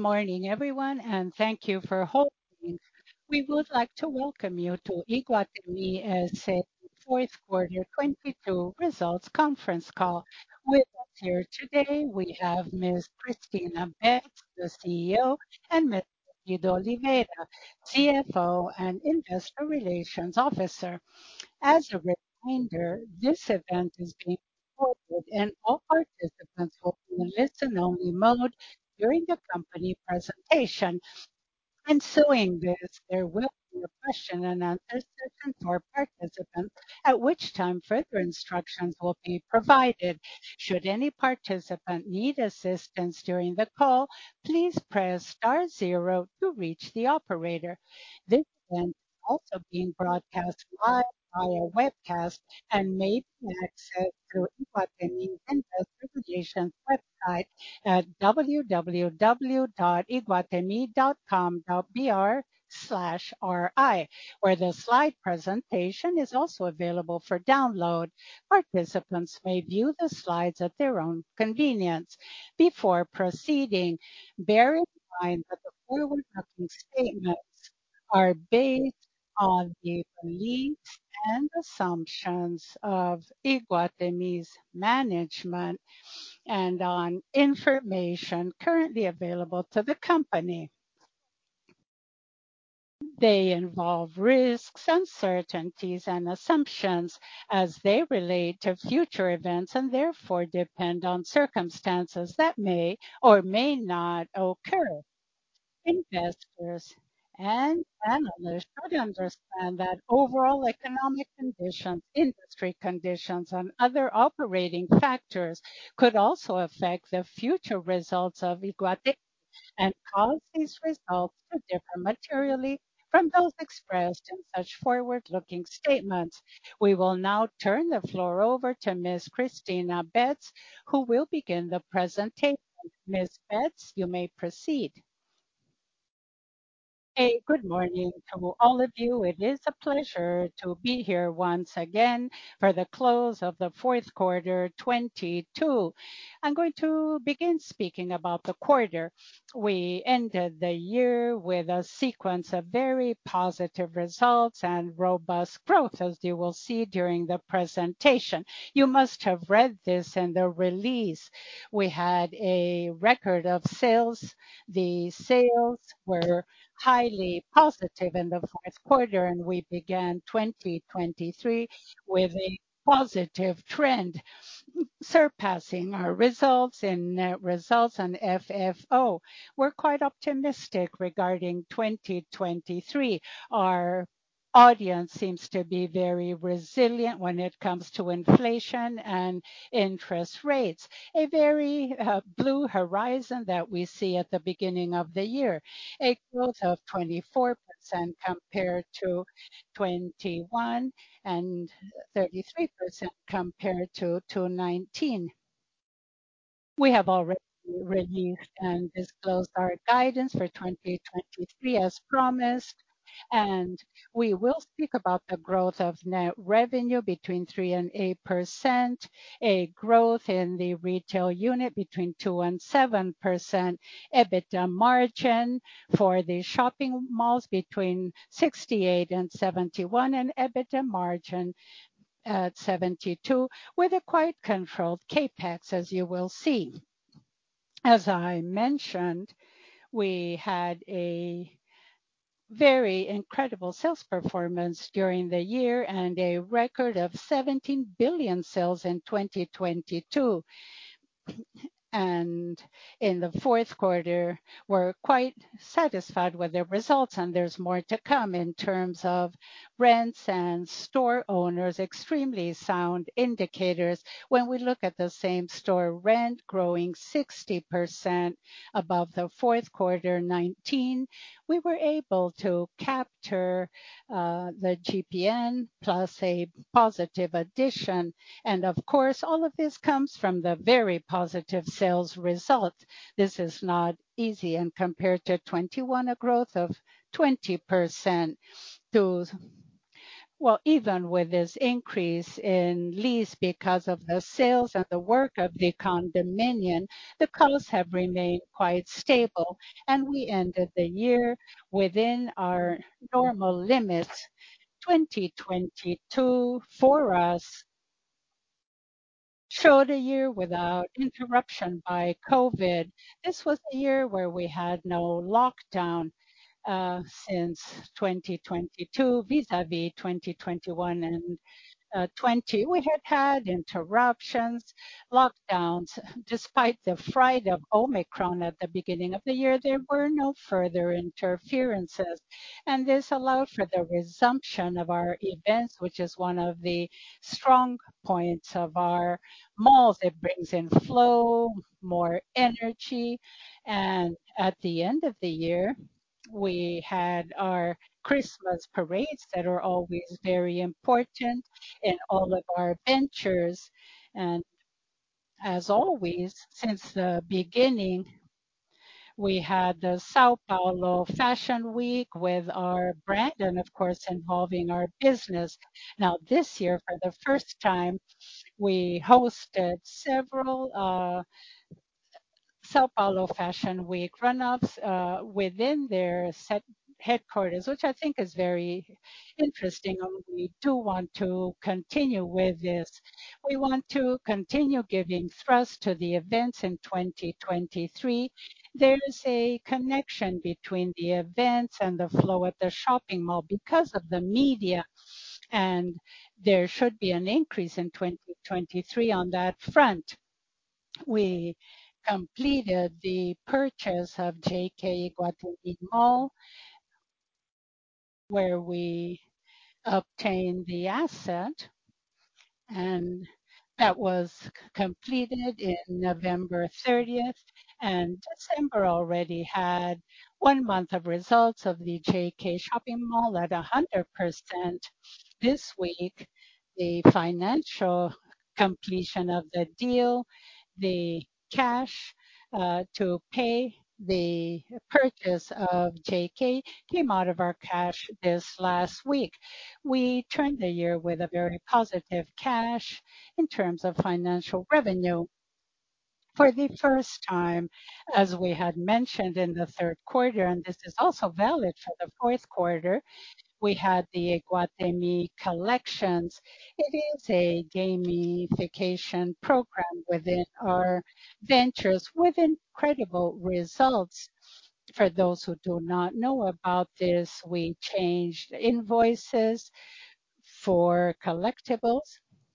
Good morning everyone, and thank you for holding. We would like to welcome you to Iguatemi S.A. fourth quarter 2022 results conference call. With us here today we have Ms. Cristina Betts, the CEO, and Mr. Guido Oliveira, CFO and Investor Relations Officer. As a reminder, this event is being recorded and all participants will be in listen-only mode during the company presentation. Ensuing this, there will be a question and answer session for participants, at which time further instructions will be provided. Should any participant need assistance during the call, please press star 0 to reach the operator. This event is also being broadcast live via webcast and may be accessed through Iguatemi investor relations website at www.iguatemi.com.br/ri, where the slide presentation is also available for download. Participants may view the slides at their own convenience. Before proceeding, bear in mind that the forward-looking statements are based on the beliefs and assumptions of Iguatemi's management and on information currently available to the company. They involve risks, uncertainties and assumptions as they relate to future events, and therefore depend on circumstances that may or may not occur. Investors and analysts should understand that overall economic conditions, industry conditions, and other operating factors could also affect the future results of Iguatemi and cause these results to differ materially from those expressed in such forward-looking statements. We will now turn the floor over to Ms. Cristina Betts, who will begin the presentation. Ms. Betts, you may proceed. Hey, good morning to all of you. It is a pleasure to be here once again for the close of the fourth quarter 2022. I'm going to begin speaking about the quarter. We ended the year with a sequence of very positive results and robust growth, as you will see during the presentation. You must have read this in the release. We had a record of sales. The sales were highly positive in the fourth quarter. We began 2023 with a positive trend, surpassing our results in net results and FFO. We're quite optimistic regarding 2023. Our audience seems to be very resilient when it comes to inflation and interest rates. A very blue horizon that we see at the beginning of the year. A growth of 24% compared to 2021, and 33% compared to 2019. We have already released and disclosed our guidance for 2023 as promised. We will speak about the growth of net revenue between 3% and 8%, a growth in the retail unit between 2% and 7%, EBITDA margin for the shopping malls between 68% and 71%, and EBITDA margin at 72%, with a quite controlled CapEx, as you will see. As I mentioned, we had a very incredible sales performance during the year and a record of 17 billion sales in 2022. In the fourth quarter, we're quite satisfied with the results, and there's more to come in terms of rents and store owners. Extremely sound indicators. When we look at the same-store rent growing 60% above the fourth quarter 2019, we were able to capture the GPN plus a positive addition. Of course, all of this comes from the very positive sales result. This is not easy. Compared to 2021, a growth of 20%. Well, even with this increase in lease because of the sales and the work of the condominium, the costs have remained quite stable, and we ended the year within our normal limits. 2022 for us showed a year without interruption by COVID. This was the year where we had no lockdown, since 2022, vis-à-vis 2021 and 2020. We had had interruptions, lockdowns. Despite the fright of Omicron at the beginning of the year, there were no further interferences, and this allowed for the resumption of our events, which is one of the strong points of our malls. It brings in flow, more energy. At the end of the year, we had our Christmas parades that are always very important in all of our ventures. As always since the beginning, we had the São Paulo Fashion Week with our brand and of course, involving our business. Now, this year, for the first time, we hosted several São Paulo Fashion Week run-ups within their set headquarters, which I think is very interesting, and we do want to continue with this. We want to continue giving thrust to the events in 2023. There is a connection between the events and the flow at the shopping mall because of the media, and there should be an increase in 2023 on that front. We completed the purchase of JK Iguatemi, where we obtained the asset, and that was completed in November 30th. December already had one month of results of the JK Iguatemi at 100%. This week, the financial completion of the deal, the cash to pay the purchase of JK came out of our cash this last week. We turned the year with a very positive cash in terms of financial revenue. For the first time, as we had mentioned in the third quarter, and this is also valid for the fourth quarter, we had the Iguatemi collections. It is a gamification program within our ventures with incredible results. For those who do not know about this, we changed invoices for collectibles.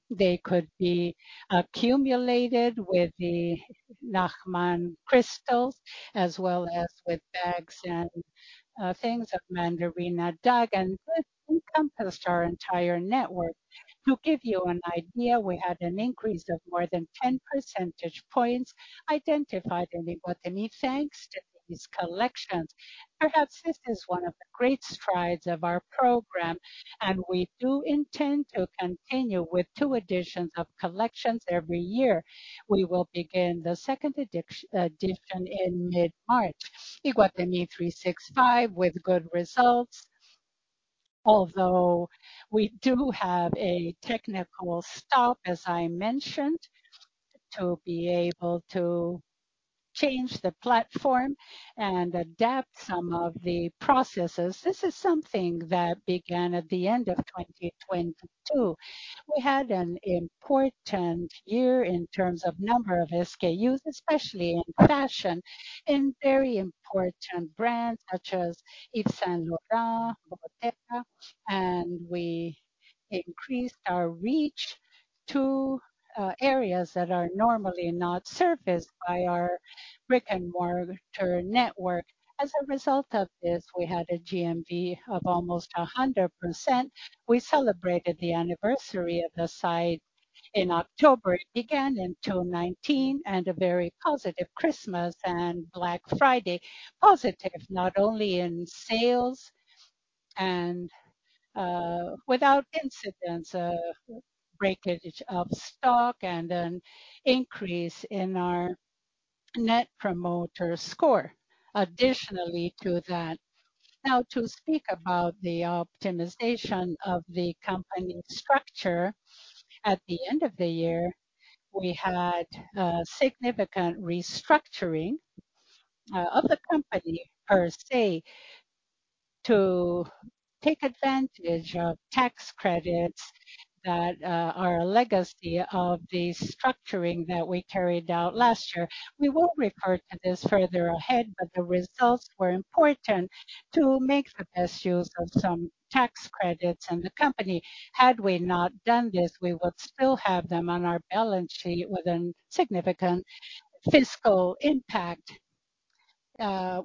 They could be accumulated with the Nachtmann crystals as well as with bags and things of Mandarina Duck, and this encompassed our entire network. To give you an idea, we had an increase of more than 10% points identified in Iguatemi, thanks to these collections. Perhaps this is one of the great strides of our program, and we do intend to continue with two editions of collections every year. We will begin the second edition in mid-March. Iguatemi 365 with good results. Although we do have a technical stop, as I mentioned, to be able to change the platform and adapt some of the processes. This is something that began at the end of 2022. We had an important year in terms of number of SKUs, especially in fashion, in very important brands such as Yves Saint Laurent, Bottega, and we increased our reach to areas that are normally not surfaced by our brick-and-mortar network. As a result of this, we had a GMV of almost 100%. We celebrated the anniversary of the site in October. It began in 2019 and a very positive Christmas and Black Friday. Positive, not only in sales and, without incidents of breakage of stock and an increase in our Net Promoter Score additionally to that. To speak about the optimization of the company structure. At the end of the year, we had a significant restructuring of the company per se, to take advantage of tax credits that are a legacy of the structuring that we carried out last year. We won't refer to this further ahead, but the results were important to make the best use of some tax credits in the company. Had we not done this, we would still have them on our balance sheet with a significant fiscal impact.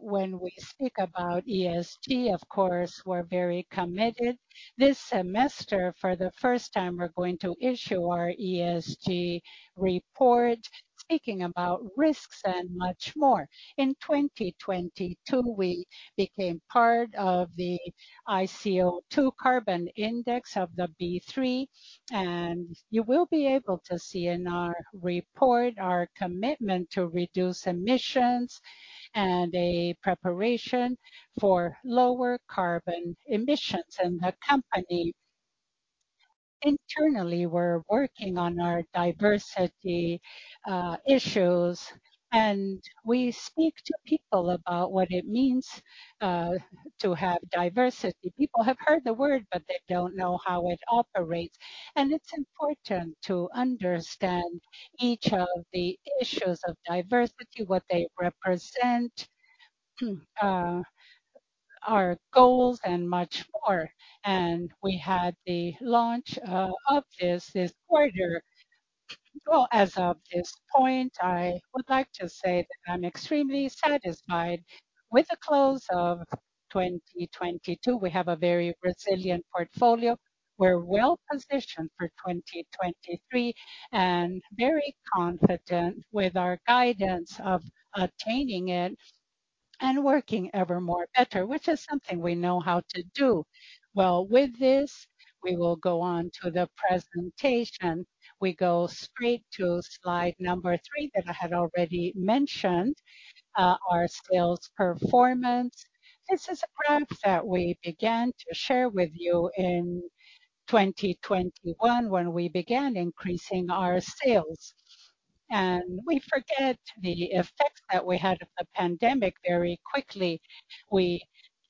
When we speak about ESG, of course, we're very committed. This semester, for the first time, we're going to issue our ESG report, speaking about risks and much more. In 2022, we became part of the ICO2 carbon index of the B3, and you will be able to see in our report our commitment to reduce emissions and a preparation for lower carbon emissions in the company. Internally, we're working on our diversity issues, and we speak to people about what it means to have diversity. People have heard the word, but they don't know how it operates. It's important to understand each of the issues of diversity, what they represent, our goals, and much more. We had the launch of this quarter. As of this point, I would like to say that I'm extremely satisfied with the close of 2022. We have a very resilient portfolio. We're well-positioned for 2023 and very confident with our guidance of attaining it and working ever more better, which is something we know how to do. Well, with this, we will go on to the presentation. We go straight to slide number three that I had already mentioned, our sales performance. This is a graph that we began to share with you in 2021 when we began increasing our sales. We forget the effects that we had of the pandemic very quickly. We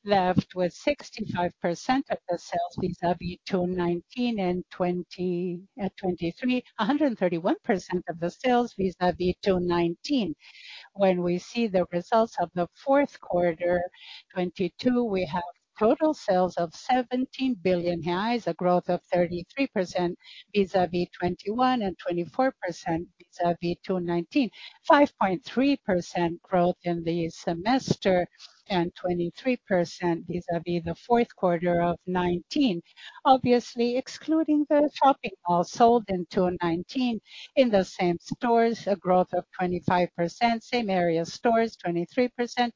left with 65% of the sales vis-à-vis 2019 and 2023. 131% of the sales vis-à-vis 2019. When we see the results of the fourth quarter 2022, we have total sales of 17 billion reais, a growth of 33% vis-à-vis 2021, and 24% vis-à-vis 2019. 5.3% growth in the semester and 23% vis-à-vis the fourth quarter of 2019. Obviously, excluding the shopping mall sold in 2019. In the same stores, a growth of 25%. Same area stores, 23%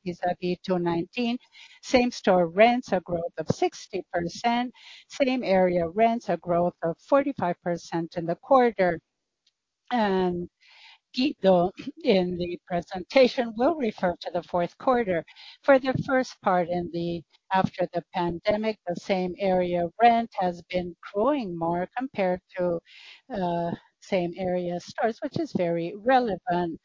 vis-à-vis 2019. Same store rents, a growth of 60%. Same area rents, a growth of 45% in the quarter. Guido, in the presentation, will refer to the fourth quarter. For the first part after the pandemic, the same area rent has been growing more compared to same area stores, which is very relevant.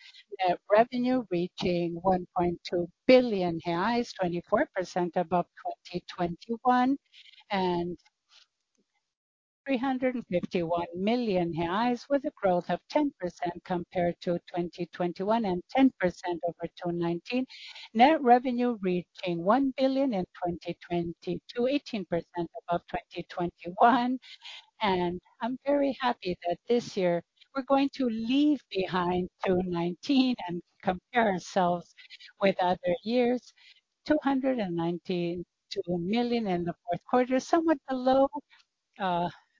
Net revenue reaching 1.2 billion reais, 24% above 2021. 351 million reais, with a growth of 10% compared to 2021 and 10% over 2019. Net revenue reaching 1 billion in 2022, 18% above 2021. I'm very happy that this year we're going to leave behind 2019 and compare ourselves with other years.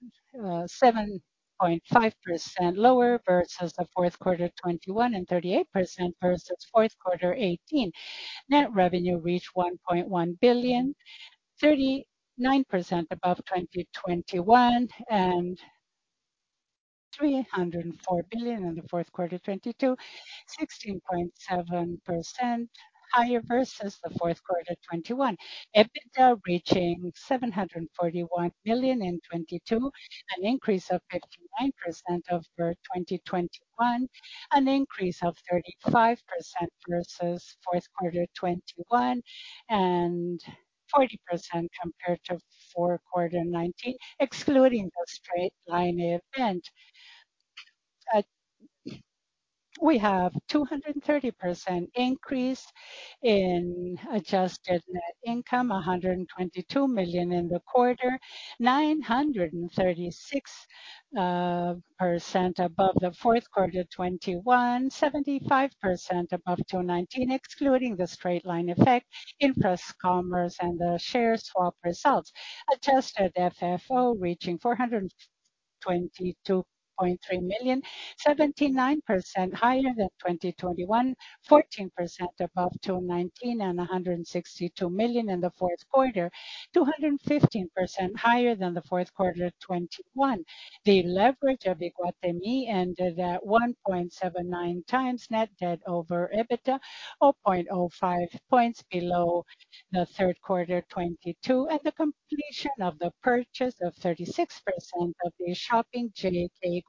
BRL 292 million in the fourth quarter, somewhat below, 7.5% lower versus the fourth quarter 2021 and 38% versus fourth quarter 2018. Net revenue reached 1.1 billion. 39% above 2021 and 304 billion in the fourth quarter of 2022. 16.7% higher versus the fourth quarter 2021. EBITDA reaching 741 million in 2022, an increase of 59% over 2021. An increase of 35% versus fourth quarter 2021 and 40% compared to fourth quarter 2019, excluding the straight line event. We have 230% increase in adjusted net income, 122 million in the quarter. 936% above the fourth quarter of 2021. 75% above 2019, excluding the straight line effect in Infracommerce and the share swap results. Adjusted FFO reaching 422.3 million. 79% higher than 2021. 14% above 2019, and 162 million in the fourth quarter. 215% higher than the fourth quarter of 2021. The leverage of Iguatemi ended at 1.79x net debt over EBITDA, or 0.05 points below the third quarter 2022. At the completion of the purchase of 36% of the shopping JK Iguatemi,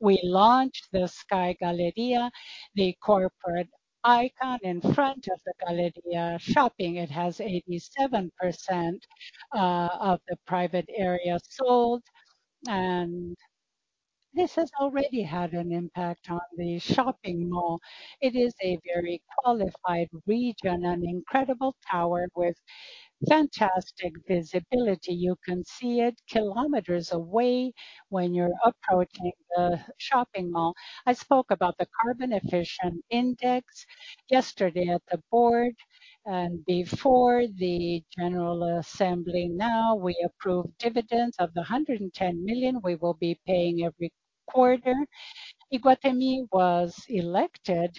we launched the Sky Galeria, the corporate icon in front of the Galeria Shopping. It has 87% of the private area sold, and this has already had an impact on the shopping mall. It is a very qualified region, an incredible tower with fantastic visibility. You can see it kilometers away when you're approaching the shopping mall. I spoke about the carbon efficient index yesterday at the board and before the general assembly. We approve dividends of 110 million we will be paying every quarter. Iguatemi was elected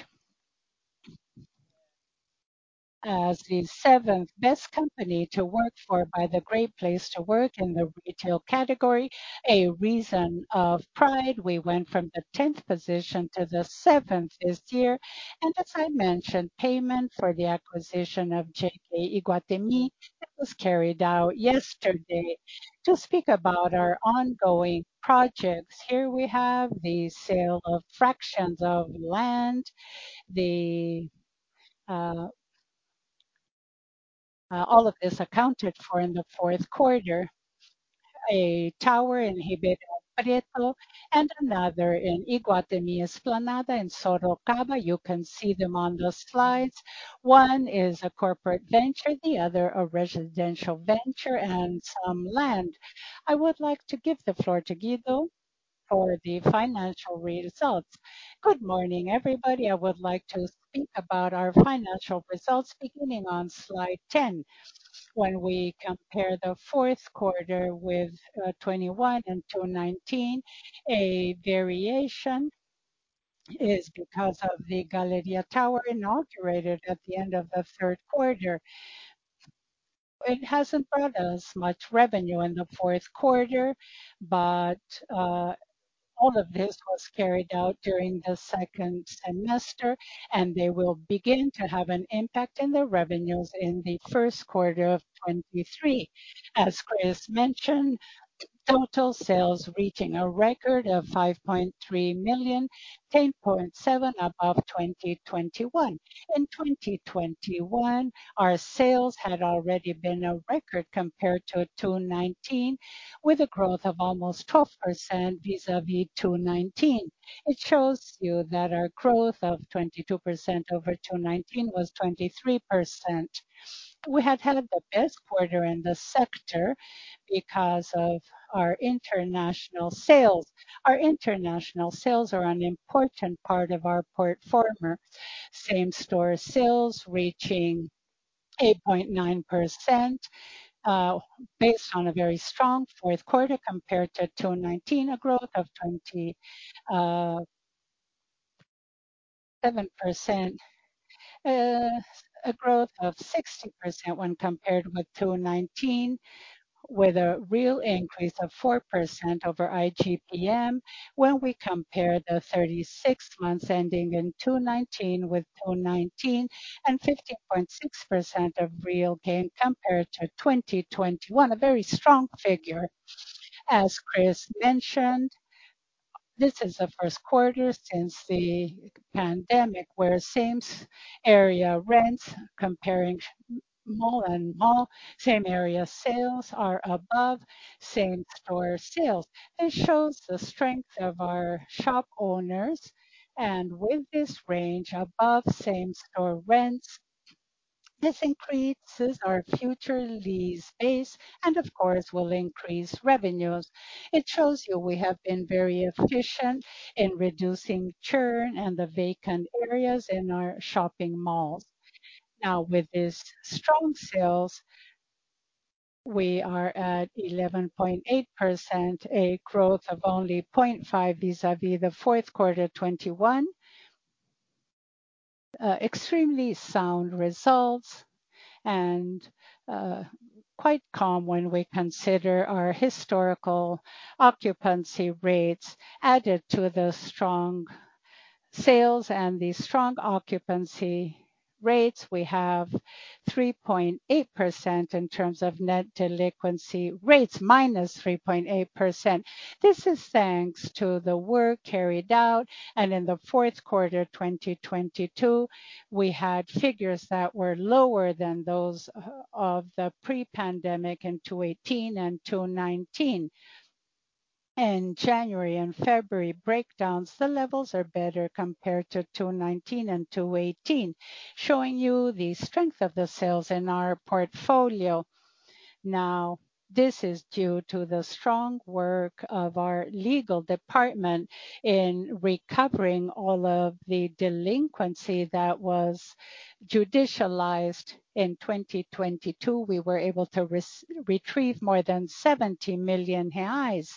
as the seventh best company to work for by the Great Place to Work in the retail category. A reason of pride. We went from the tenth position to the seventh this year. As I mentioned, payment for the acquisition of JK Iguatemi was carried out yesterday. To speak about our ongoing projects, here we have the sale of fractions of land. All of this accounted for in the fourth quarter. A tower in Ribeirão Preto and another in Iguatemi Esplanada in Sorocaba. You can see them on the slides. One is a corporate venture, the other a residential venture and some land. I would like to give the floor to Guido for the financial results. Good morning, everybody. I would like to speak about our financial results beginning on slide 10. When we compare the fourth quarter with 2021 and 2019, a variation is because of the Galeria Tower inaugurated at the end of the third quarter. It hasn't brought us much revenue in the fourth quarter, all of this was carried out during the second semester, and they will begin to have an impact in the revenues in the first quarter of 2023. As Cris mentioned, total sales reaching a record of 5.3 million, 10.7% above 2021. In 2021, our sales had already been a record compared to 2019, with a growth of almost 12% vis-à-vis 2019. It shows you that our growth of 22% over 2019 was 23%. We had the best quarter in the sector because of our international sales. Our international sales are an important part of our portfolio. Same-store sales reaching 8.9%, based on a very strong fourth quarter compared to 2019, a growth of 27%. A growth of 60% when compared with 2019, with a real increase of 4% over IGPM when we compare the 36 months ending in 2019 with 2019 and 15.6% of real gain compared to 2021. A very strong figure. As Cris mentioned, this is the first quarter since the pandemic, where same's area rents comparing mall and mall, same area sales are above same-store sales. This shows the strength of our shop owners, and with this range above same-store rents, this increases our future lease base and of course will increase revenues. It shows you we have been very efficient in reducing churn and the vacant areas in our shopping malls. Now, with these strong sales, we are at 11.8%, a growth of only 0.5 vis-à-vis the 4Q 2021. Extremely sound results and quite calm when we consider our historical occupancy rates added to the strong sales and the strong occupancy rates. We have 3.8% in terms of net delinquency rates, -3.8%. This is thanks to the work carried out. In the fourth quarter 2022, we had figures that were lower than those of the pre-pandemic in 2018 and 2019. In January and February breakdowns, the levels are better compared to 2019 and 2018, showing you the strength of the sales in our portfolio. This is due to the strong work of our legal department in recovering all of the delinquency that was judicialized in 2022. We were able to retrieve more than 70 million[BRL]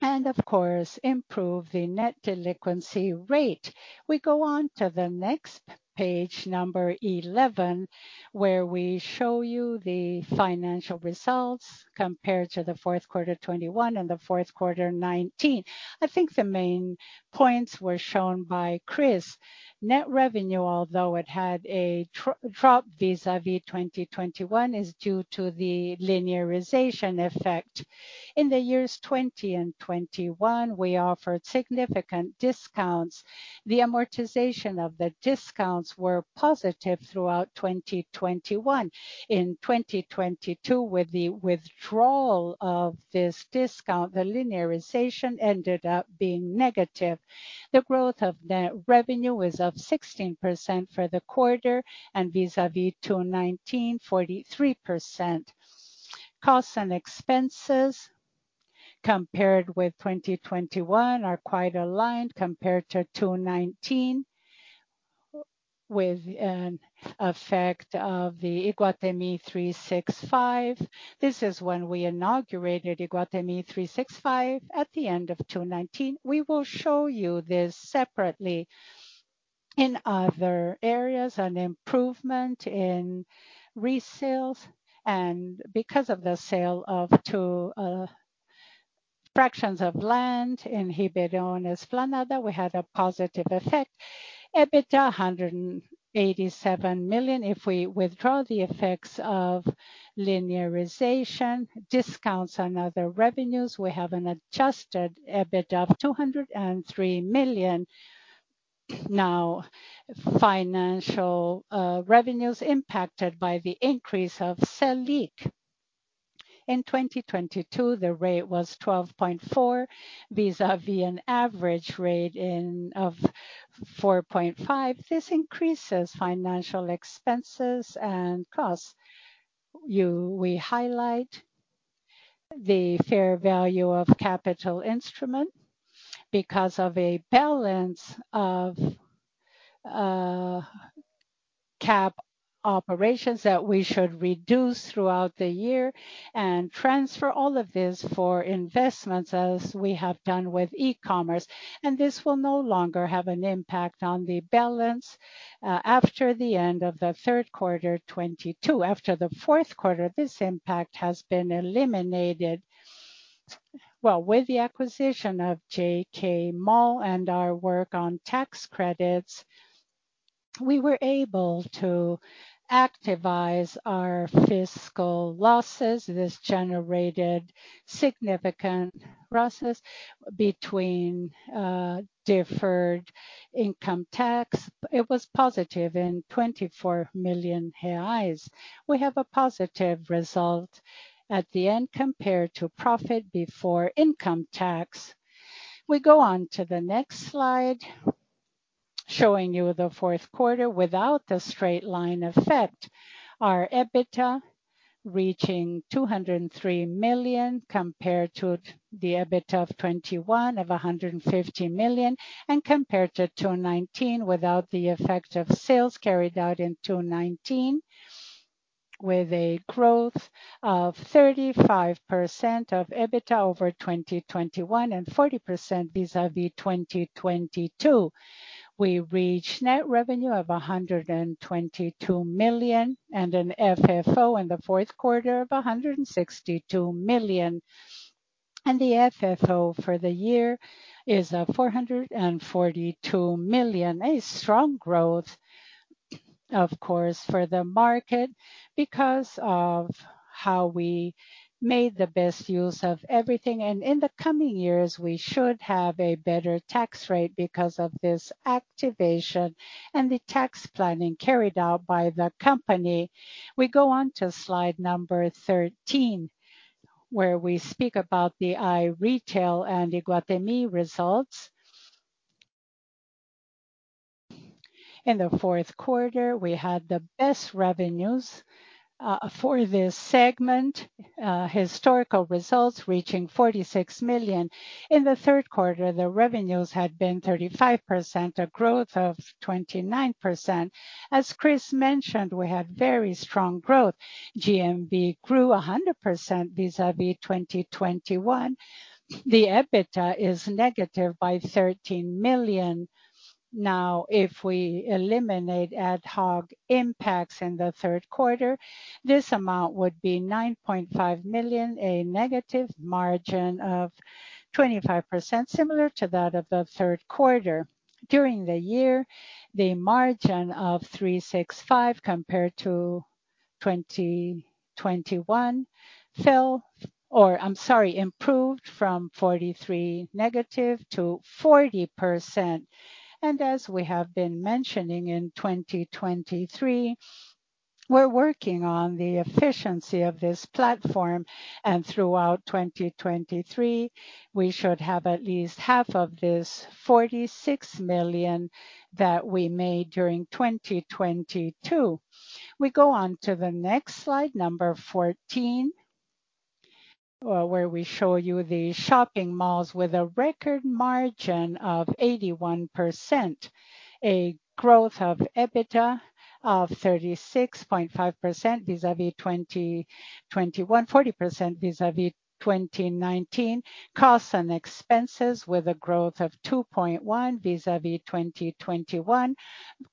and of course, improve the net delinquency rate. We go on to the next page number 11, where we show you the financial results compared to the fourth quarter 2021 and the fourth quarter 2019. I think the main points were shown by Cris. Net revenue, although it had a drop vis-à-vis 2021, is due to the linearization effect. In the years 2020 and 2021, we offered significant discounts. The amortization of the discounts were positive throughout 2021. In 2022, with the withdrawal of this discount, the linearization ended up being negative. The growth of net revenue is up 16% for the quarter and vis-à-vis 2019, 43%. Costs and expenses compared with 2021 are quite aligned compared to 2019, with an effect of the Iguatemi 365. This is when we inaugurated Iguatemi 365 at the end of 2019. We will show you this separately. In other areas, an improvement in resales and because of the sale of two fractions of land in Iguatemi Esplanada, we had a positive effect. EBITDA: 187 million. If we withdraw the effects of linearization, discounts on other revenues, we have an adjusted EBITDA of 203 million. Now, financial revenues impacted by the increase of Selic. In 2022, the rate was 12.4%, vis-à-vis an average rate of 4.5%. This increases financial expenses and costs. We highlight the fair value of capital instrument because of a balance of cap operations that we should reduce throughout the year and transfer all of this for investments as we have done with e-commerce. This will no longer have an impact on the balance after the end of the third quarter 2022. After the fourth quarter, this impact has been eliminated. Well, with the acquisition of JK Mall and our work on tax credits, we were able to activize our fiscal losses. This generated significant losses between deferred income tax. It was positive in 24 million reais. We have a positive result at the end compared to profit before income tax. We go on to the next slide, showing you the fourth quarter without the straight-line effect. Our EBITDA reaching 203 million compared to the EBITDA of 2021 of 150 million, and compared to 2019 without the effect of sales carried out in 2019, with a growth of 35% of EBITDA over 2021 and 40% vis-à-vis 2022. We reach net revenue of 122 million and an FFO in the fourth quarter of 162 million. The FFO for the year is 442 million. A strong growth, of course, for the market because of how we made the best use of everything. In the coming years, we should have a better tax rate because of this activation and the tax planning carried out by the company. We go on to slide number 13, where we speak about the iRetail and Iguatemi results. In the fourth quarter, we had the best revenues for this segment. Historical results reaching 46 million. In the third quarter, the revenues had been 35%, a growth of 29%. As Cris mentioned, we had very strong growth. GMV grew 100% vis-à-vis 2021. The EBITDA is negative by 13 million. Now, if we eliminate ad hoc impacts in the third quarter, this amount would be 9.5 million, a negative margin of 25%, similar to that of the third quarter. During the year, the margin of Iguatemi 365 compared to 2021 fell. Or I'm sorry, improved from -43% to 40%. As we have been mentioning in 2023, we're working on the efficiency of this platform. Throughout 2023, we should have at least half of this 46 million that we made during 2022. We go on to the next slide, number 14, where we show you the shopping malls with a record margin of 81%. Growth of EBITDA of 36.5% vis-à-vis 2021, 40% vis-à-vis 2019. Costs and expenses with a growth of 2.1% vis-à-vis 2021.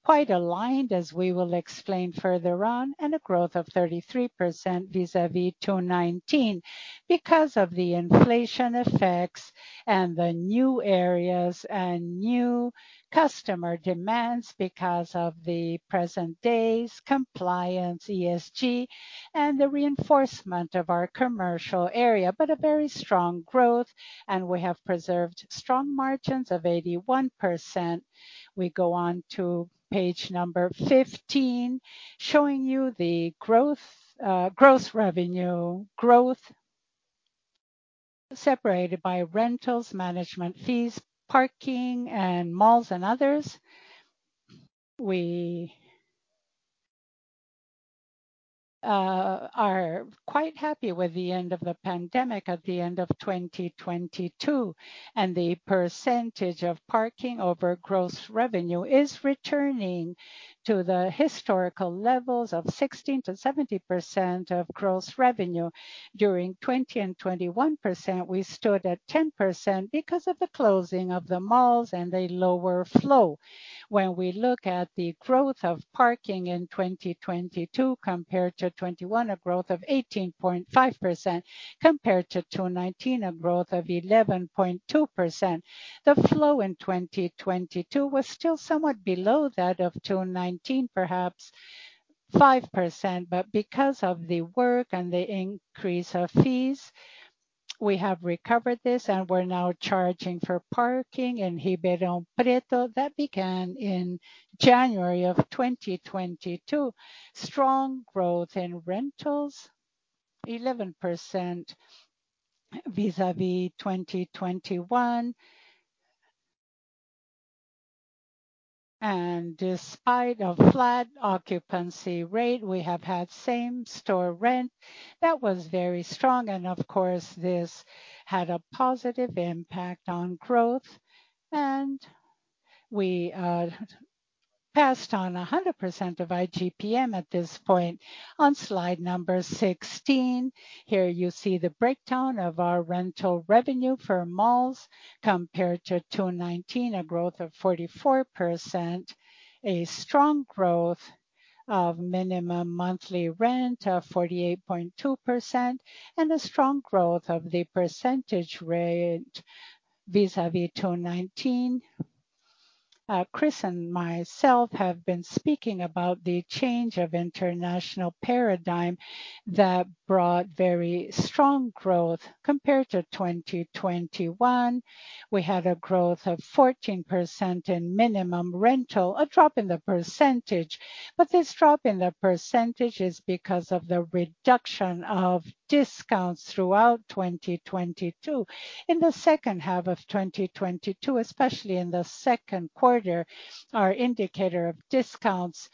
Quite aligned as we will explain further on, growth of 33% vis-à-vis 2019. Of the inflation effects and the new areas and new customer demands because of the present day's compliance, ESG, and the reinforcement of our commercial area. A very strong growth, and we have preserved strong margins of 81%. We go on to page number 15, showing you the gross revenue growth separated by rentals, management fees, parking, and malls and others. We are quite happy with the end of the pandemic at the end of 2022, and the percentage of parking over gross revenue is returning to the historical levels of 16%-70% of gross revenue. Durin2020 and 21%, we stood at 10% because of the closing of the malls and a lower flow. When we look at the growth of parking in 2022 compared to 2021, a growth of 18.5%. Compared to 2019, a growth of 11.2%. The flow in 2022 was still somewhat below that of June 2019, perhaps 5%. Because of the work and the increase of fees, we have recovered this, and we're now charging for parking in Ribeirão Preto. That began in January of 2022. Strong growth in rentals, 11% vis-à-vis 2021. Despite a flat occupancy rate, we have had same-store rent that was very strong. Of course, this had a positive impact on growth. We passed on 100% of IGPM at this point. On slide number 16, here you see the breakdown of our rental revenue for malls compared to 2019, a growth of 44%. A strong growth of minimum monthly rent of 48.2%, a strong growth of the percentage rate vis-à-vis 2019. Cris and myself have been speaking about the change of international paradigm that brought very strong growth compared to 2021. We had a growth of 14% in minimum rental, a drop in the percentage. This drop in the percentage is because of the reduction of discounts throughout 2022. In the second half of 2022, especially in the second quarter, our indicator of discounts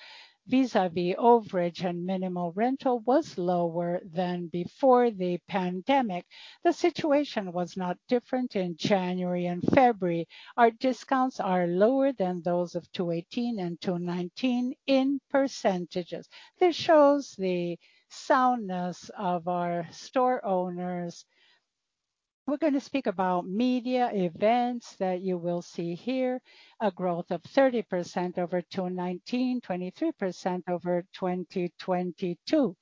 vis-à-vis overage and minimal rental was lower than before the pandemic. The situation was not different in January and February. Our discounts are lower than those of 2018 and 2019 in percentages. This shows the soundness of our store owners. We're gonna speak about media events that you will see here. A growth of 30% over 2019, 23% over 2022.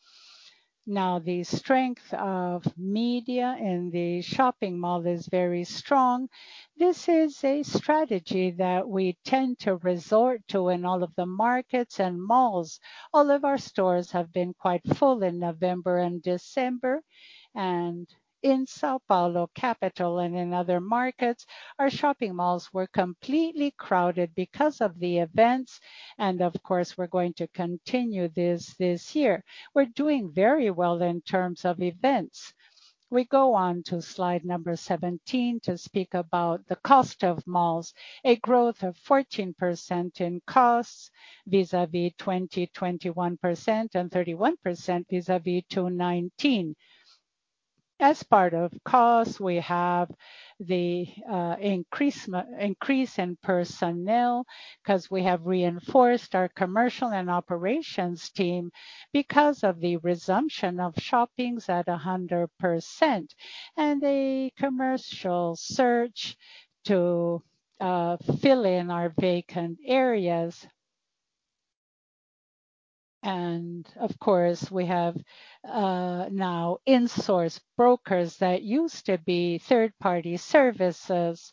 The strength of media in the shopping mall is very strong. This is a strategy that we tend to resort to in all of the markets and malls. All of our stores have been quite full in November and December. In São Paulo capital and in other markets, our shopping malls were completely crowded because of the events. Of course, we're going to continue this year. We're doing very well in terms of events. We go on to slide number 17 to speak about the cost of malls. A growth of 14% in costs vis-à-vis 2021% and 31% vis-à-vis 2019. As part of costs, we have the increase in personnel, 'cause we have reinforced our commercial and operations team because of the resumption of shoppings at 100%, and a commercial search to fill in our vacant areas. Of course, we have now insourced brokers that used to be third-party services.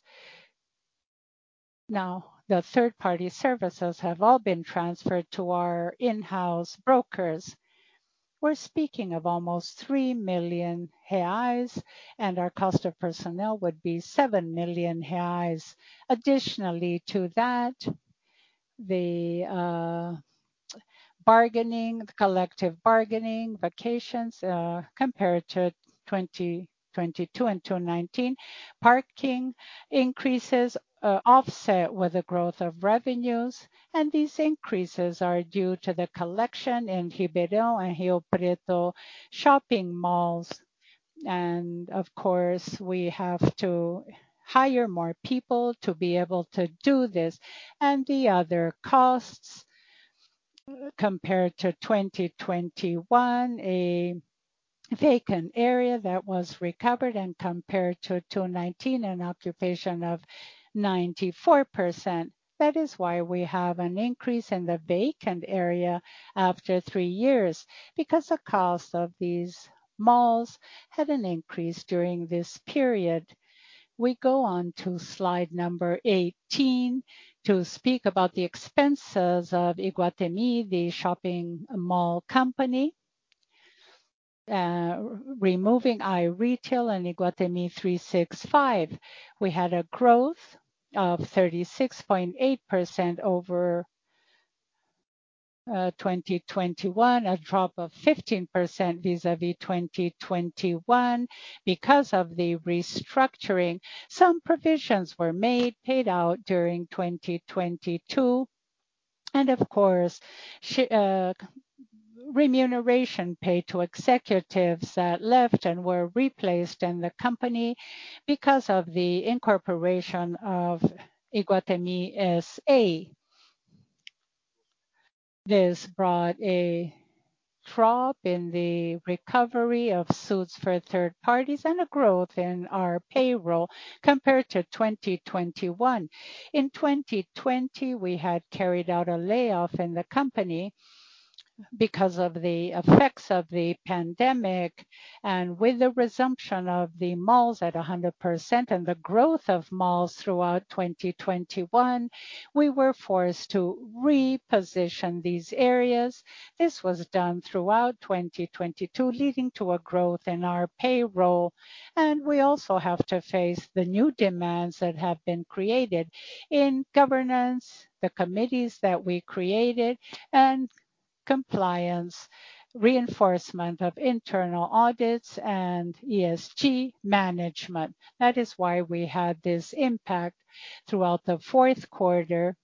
The third-party services have all been transferred to our in-house brokers. We're speaking of almost 3 million reais, and our cost of personnel would be 7 million reais. Additionally to that, the collective bargaining, vacations compared to 2022 and 2019. Parking increases are offset with the growth of revenues, and these increases are due to the collection in Ribeirão and Rio Preto shopping malls. Of course, we have to hire more people to be able to do this. The other costs compared to 2021, a vacant area that was recovered and compared to 2019, an occupation of 94%. That is why we have an increase in the vacant area after three years, because the cost of these malls had an increase during this period. We go on to slide number 18 to speak about the expenses of Iguatemi, the shopping mall company. Removing iRetail and Iguatemi 365. We had a growth of 36.8% over 2021. A drop of 15% vis-à-vis 2021. Because of the restructuring, some provisions were paid out during 2022. Of course, remuneration paid to executives that left and were replaced in the company because of the incorporation of Iguatemi S.A. This brought a drop in the recovery of suits for third parties and a growth in our payroll compared to 2021. In 2020, we had carried out a layoff in the company because of the effects of the pandemic. With the resumption of the malls at 100% and the growth of malls throughout 2021, we were forced to reposition these areas. This was done throughout 2022, leading to a growth in our payroll. We also have to face the new demands that have been created in governance, the committees that we created, and compliance, reinforcement of internal audits, and ESG management. That is why we had this impact throughout the fourth quarter.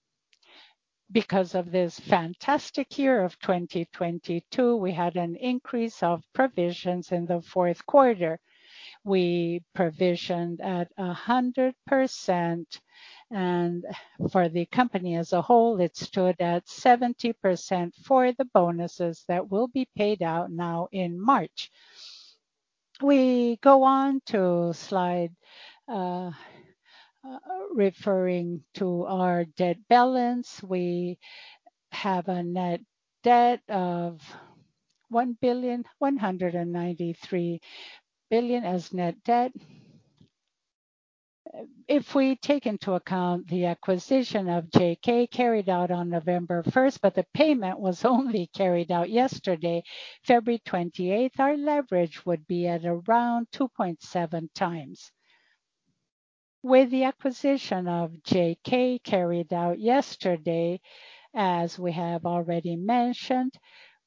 Because of this fantastic year of 2022, we had an increase of provisions in the fourth quarter. We provisioned at 100%, for the company as a whole, it stood at 70% for the bonuses that will be paid out now in March. We go on to slide, referring to our debt balance. We have a net debt of 194 billion as net debt. If we take into account the acquisition of JK carried out on November 1st, the payment was only carried out yesterday, February 28th, our leverage would be at around 2.7x. With the acquisition of JK carried out yesterday, as we have already mentioned,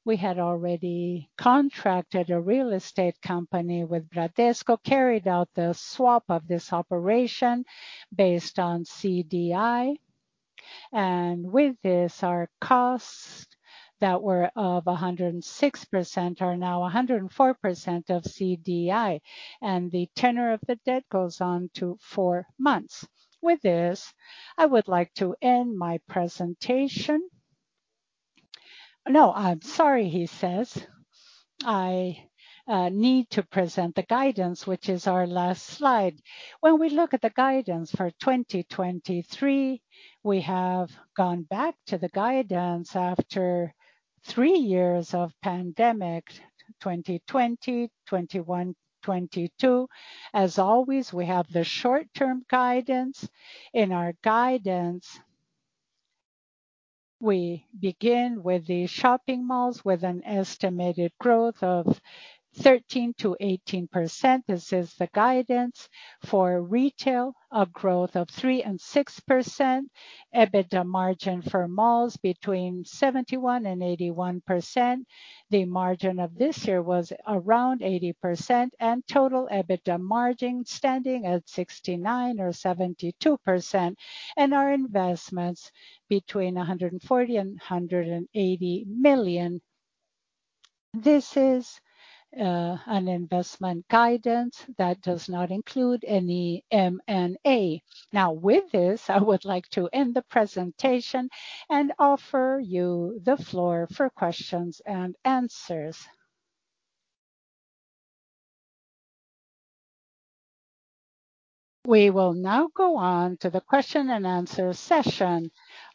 we had already contracted a real estate company with Bradesco, carried out the swap of this operation based on CDI. With this, our costs that were of 106% are now 104% of CDI, and the tenor of the debt goes on to four months. With this, I would like to end my presentation. No, I'm sorry, he says. I need to present the guidance, which is our last slide. When we look at the guidance for 2023, we have gone back to the guidance after three years of pandemic. 2020, 2021, 2022. As always, we have the short-term guidance. In our guidance, we begin with the shopping malls with an estimated growth of 13%-18%. This is the guidance for retail of growth of 3% and 6%. EBITDA margin for malls between 71% and 81%. The margin of this year was around 80% and total EBITDA margin standing at 69% or 72%. Our investments between 140 million and 180 million. This is an investment guidance that does not include any M&A. With this, I would like to end the presentation and offer you the floor for questions and answers. We will now go on to the question and answer session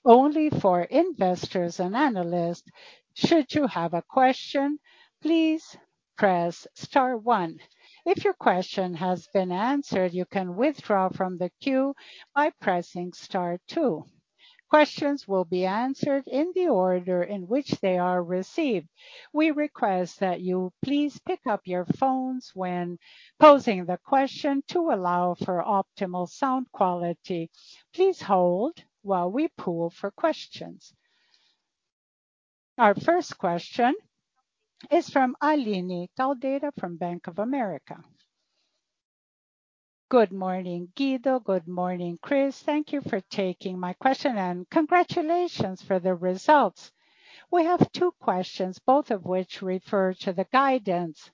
only for investors and analysts. Should you have a question, please press star one. If your question has been answered, you can withdraw from the queue by pressing star two. Questions will be answered in the order in which they are received. We request that you please pick up your phones when posing the question to allow for optimal sound quality. Please hold while we pool for questions. Our first question is from Aline Caldeira from Bank of America. Good morning, Guido. Good morning, Cris. Thank you for taking my question. Congratulations for the results. We have two questions, both of which refer to the guidance.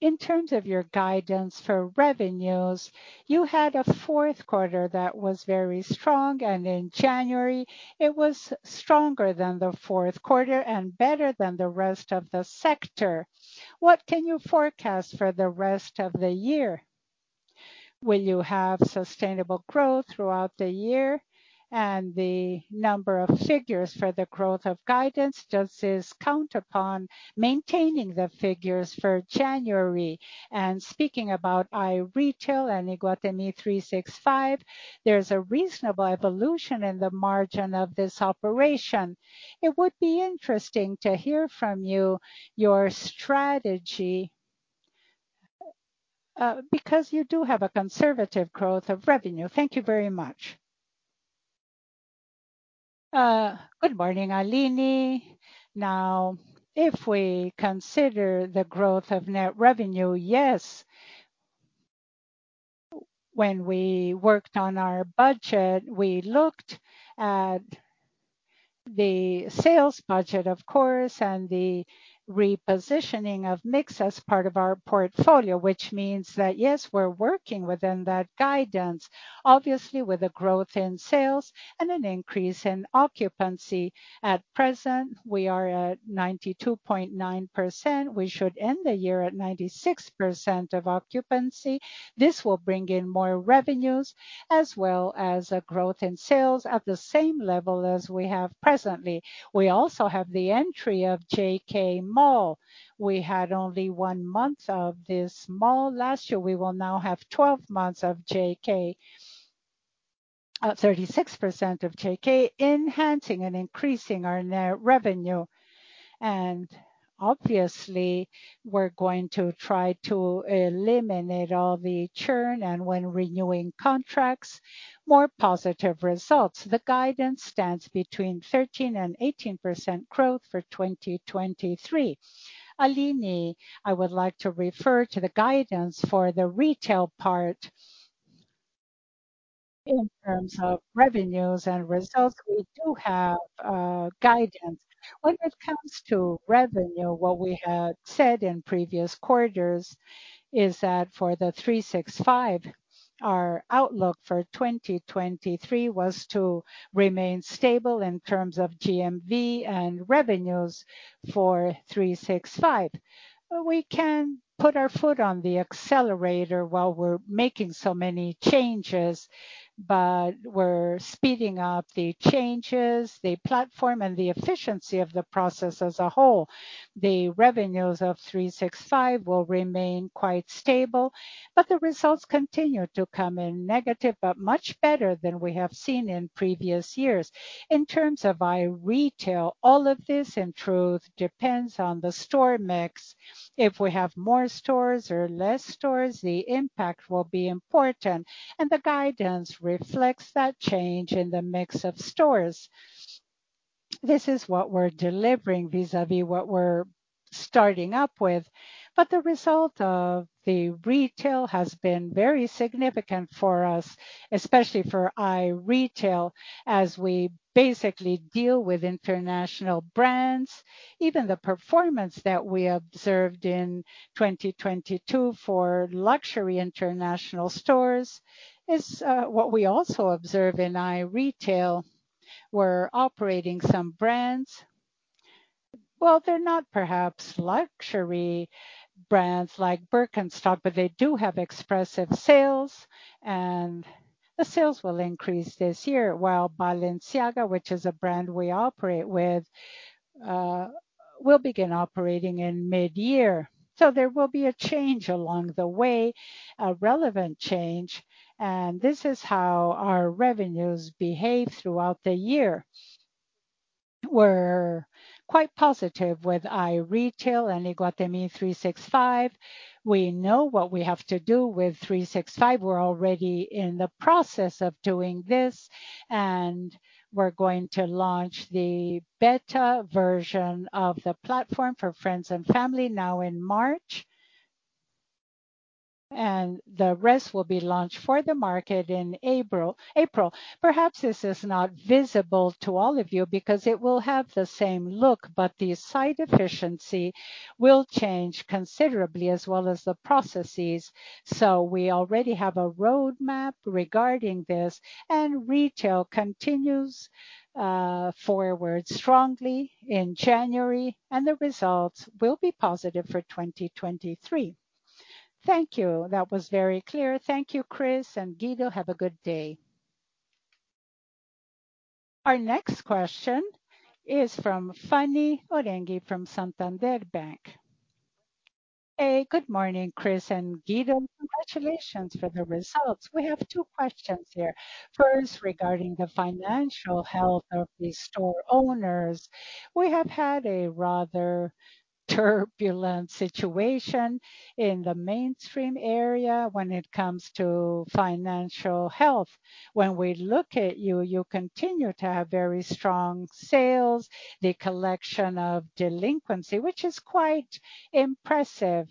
In terms of your guidance for revenues, you had a fourth quarter that was very strong, and in January it was stronger than the fourth quarter and better than the rest of the sector. What can you forecast for the rest of the year? Will you have sustainable growth throughout the year? The number of figures for the growth of guidance, does this count upon maintaining the figures for January? Speaking about iRetail and Iguatemi 365, there's a reasonable evolution in the margin of this operation. It would be interesting to hear from you your strategy, because you do have a conservative growth of revenue. Thank you very much. Good morning, Aline. If we consider the growth of net revenue, yes. When we worked on our budget, we looked at the sales budget, of course, and the repositioning of mix as part of our portfolio, which means that, yes, we're working within that guidance, obviously with a growth in sales and an increase in occupancy. At present, we are at 92.9%. We should end the year at 96% of occupancy. This will bring in more revenues as well as a growth in sales at the same level as we have presently. We also have the entry of JK Mall. We had only one month of this mall last year. We will now have 12 months of JK. 36% of JK enhancing and increasing our net revenue. Obviously, we're going to try to eliminate all the churn and when renewing contracts, more positive results. The guidance stands between 13% and 18% growth for 2023. Aline, I would like to refer to the guidance for the retail part. In terms of revenues and results, we do have guidance. When it comes to revenue, what we had said in previous quarters is that our outlook for 2023 was to remain stable in terms of GMV and revenues for Iguatemi 365. We can put our foot on the accelerator while we're making so many changes, but we're speeding up the changes, the platform, and the efficiency of the process as a whole. The revenues of Iguatemi 365 will remain quite stable, but the results continue to come in negative, but much better than we have seen in previous years. In terms of iRetail, all of this, in truth, depends on the store mix. If we have more stores or less stores, the impact will be important, and the guidance reflects that change in the mix of stores. This is what we're delivering vis-à-vis what we're starting up with, but the result of the retail has been very significant for us, especially for iRetail, as we basically deal with international brands. Even the performance that we observed in 2022 for luxury international stores is what we also observe in iRetail. We're operating some brands. Well, they're not perhaps luxury brands like Birkenstock, but they do have expressive sales, and the sales will increase this year, while Balenciaga, which is a brand we operate with, will begin operating in mid-year. There will be a change along the way, a relevant change, and this is how our revenues behave throughout the year. We're quite positive with iRetail and Iguatemi 365. We know what we have to do with 365. We're already in the process of doing this, we're going to launch the beta version of the platform for friends and family now in March, and the rest will be launched for the market in April. Perhaps this is not visible to all of you because it will have the same look, the site efficiency will change considerably as well as the processes. We already have a roadmap regarding this, retail continues forward strongly in January, and the results will be positive for 2023. Thank you. That was very clear. Thank you, Cris and Guido. Have a good day. Our next question is from Fanny Oreng from Santander Bank. Hey, good morning, Cris and Guido. Congratulations for the results. We have two questions here. First, regarding the financial health of the store owners. We have had a rather turbulent situation in the mainstream area when it comes to financial health. When we look at you continue to have very strong sales, the collection of delinquency, which is quite impressive.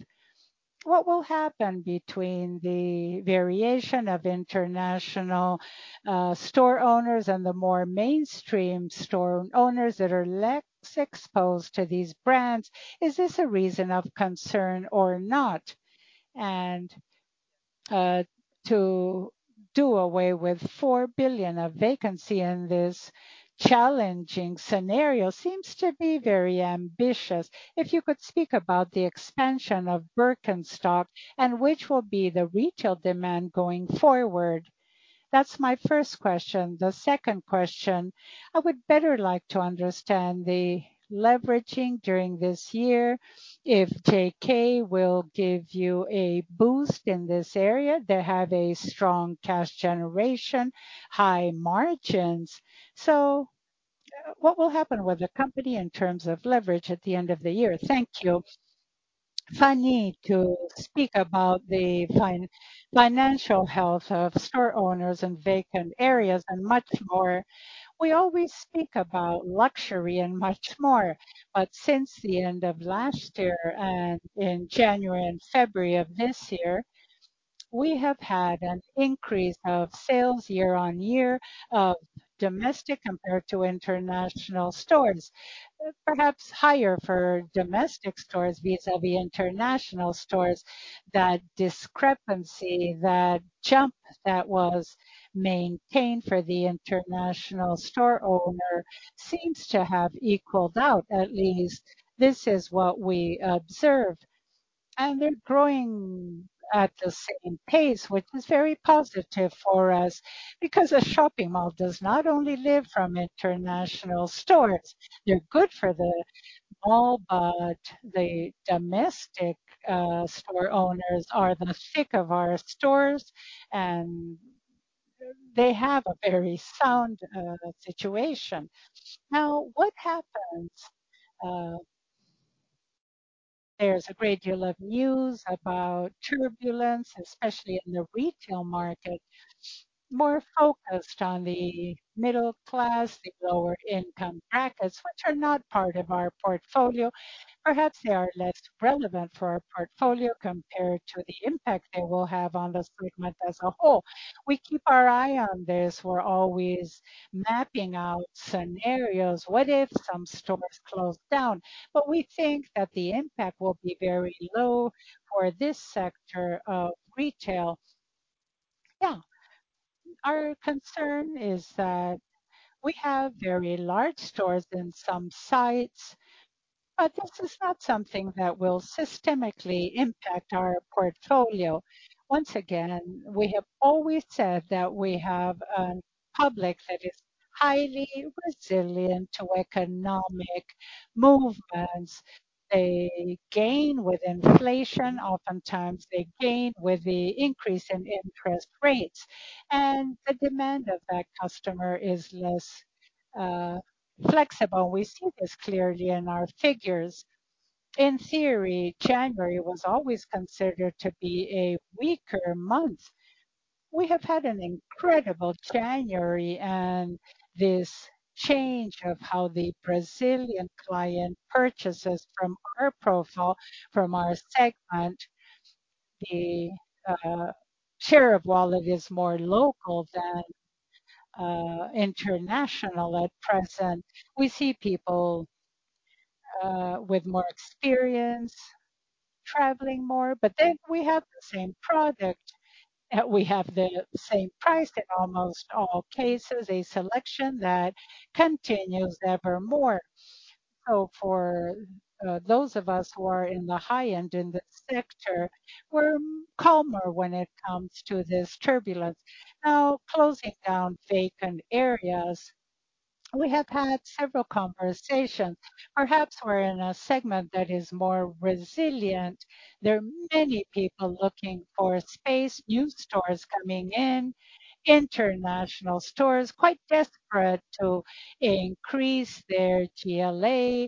What will happen between the variation of international store owners and the more mainstream store owners that are less exposed to these brands? Is this a reason of concern or not? To do away with 4 billion of vacancy in this challenging scenario seems to be very ambitious. If you could speak about the expansion of Birkenstock and which will be the retail demand going forward. That's my first question. The second question, I would better like to understand the leveraging during this year, if JK will give you a boost in this area. They have a strong cash generation, high margins. What will happen with the company in terms of leverage at the end of the year? Thank you. Fanny, to speak about the financial health of store owners and vacant areas and much more, we always speak about luxury and much more. Since the end of last year and in January and February of this year, we have had an increase of sales year-over-year of domestic compared to international stores, perhaps higher for domestic stores vis-à-vis international stores. That discrepancy, that jump that was maintained for the international store owner seems to have equaled out. At least this is what we observed. They're growing at the same pace, which is very positive for us because a shopping mall does not only live from international stores. They're good for the mall, but the domestic store owners are the thick of our stores, and they have a very sound situation. What happens? There's a great deal of news about turbulence, especially in the retail market, more focused on the middle class, the lower income brackets, which are not part of our portfolio. Perhaps they are less relevant for our portfolio compared to the impact they will have on the segment as a whole. We keep our eye on this. We're always mapping out scenarios. What if some stores close down? We think that the impact will be very low for this sector of retail. Our concern is that we have very large stores in some sites, but this is not something that will systemically impact our portfolio. Once again, we have always said that we have a public that is highly resilient to economic movements. They gain with inflation. Oftentimes they gain with the increase in interest rates, and the demand of that customer is less flexible. We see this clearly in our figures. In theory, January was always considered to be a weaker month. We have had an incredible January and this change of how the Brazilian client purchases from our profile, from our segment. The share of wallet is more local than international at present. We see people with more experience traveling more, we have the same product. We have the same price in almost all cases, a selection that continues evermore. For those of us who are in the high end in this sector, we're calmer when it comes to this turbulence. Now closing down vacant areas, we have had several conversations. Perhaps we're in a segment that is more resilient. There are many people looking for space, new stores coming in, international stores quite desperate to increase their GLA,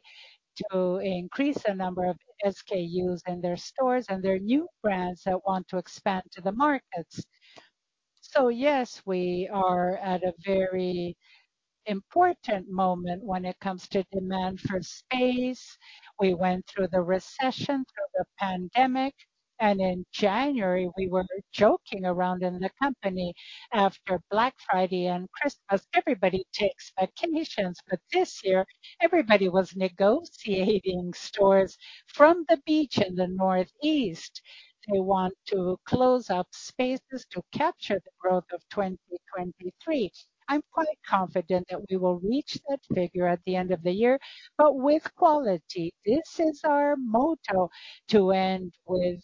to increase the number of SKUs in their stores and their new brands that want to expand to the markets. Yes, we are at a very important moment when it comes to demand for space. We went through the recession, through the pandemic, and in January we were joking around in the company after Black Friday and Christmas, everybody takes vacations, but this year everybody was negotiating stores from the beach in the Northeast. They want to close up spaces to capture the growth of 2023. I'm quite confident that we will reach that figure at the end of the year, but with quality. This is our motto to end with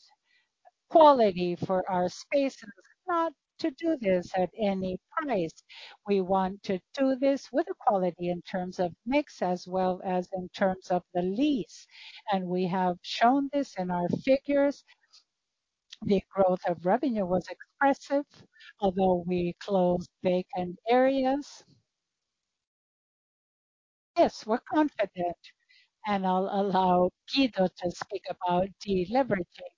quality for our spaces, not to do this at any price. We want to do this with quality in terms of mix as well as in terms of the lease. We have shown this in our figures. The growth of revenue was expressive, although we closed vacant areas. Yes, we're confident, and I'll allow Guido to speak about deleveraging.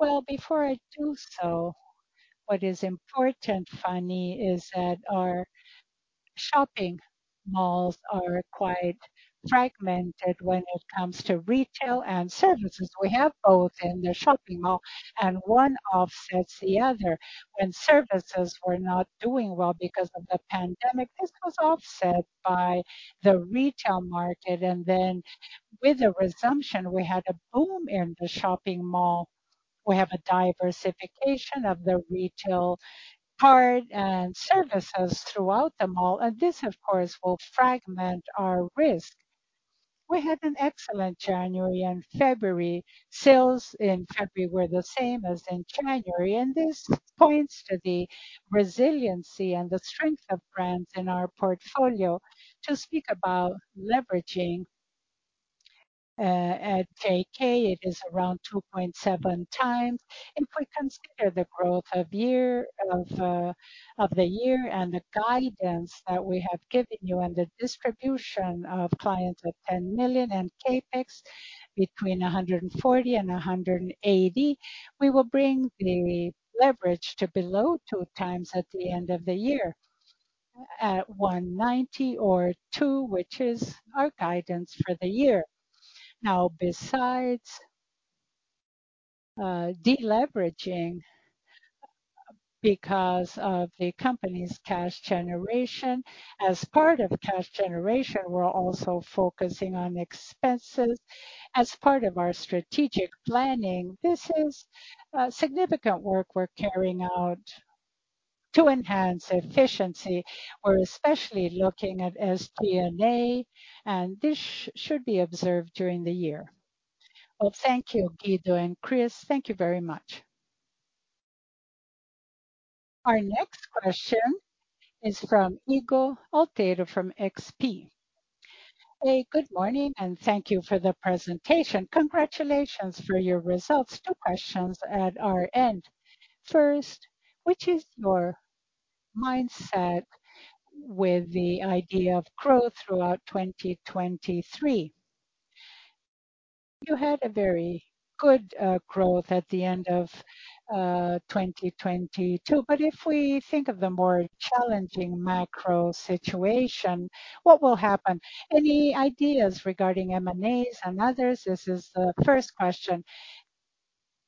Well, before I do so, what is important, Fanny, is that our shopping malls are quite fragmented when it comes to retail and services. We have both in the shopping mall and one offsets the other. When services were not doing well because of the pandemic, this was offset by the retail market. With the resumption, we had a boom in the shopping mall. We have a diversification of the retail part and services throughout the mall. This, of course, will fragment our risk. We had an excellent January and February. Sales in February were the same as in January, and this points to the resiliency and the strength of brands in our portfolio. To speak about leveraging at JK, it is around 2.7x. If we consider the growth of the year and the guidance that we have given you and the distribution of clients at 10 million and CapEx between 140 million and 180 million, we will bring the leverage to below 2x at the end of the year at 1.90 or 2, which is our guidance for the year. Besides deleveraging because of the company's cash generation, as part of cash generation, we're also focusing on expenses as part of our strategic planning. This is significant work we're carrying out to enhance efficiency. We're especially looking at SG&A, and this should be observed during the year. Well, thank you, Guido and Cris. Thank you very much. Our next question is from Ygor Altero from XP. Hey, good morning. Thank you for the presentation. Congratulations for your results. Two questions at our end. First, which is your mindset with the idea of growth throughout 2023? You had a very good growth at the end of 2022. If we think of the more challenging macro situation, what will happen? Any ideas regarding M&As and others? This is the first question.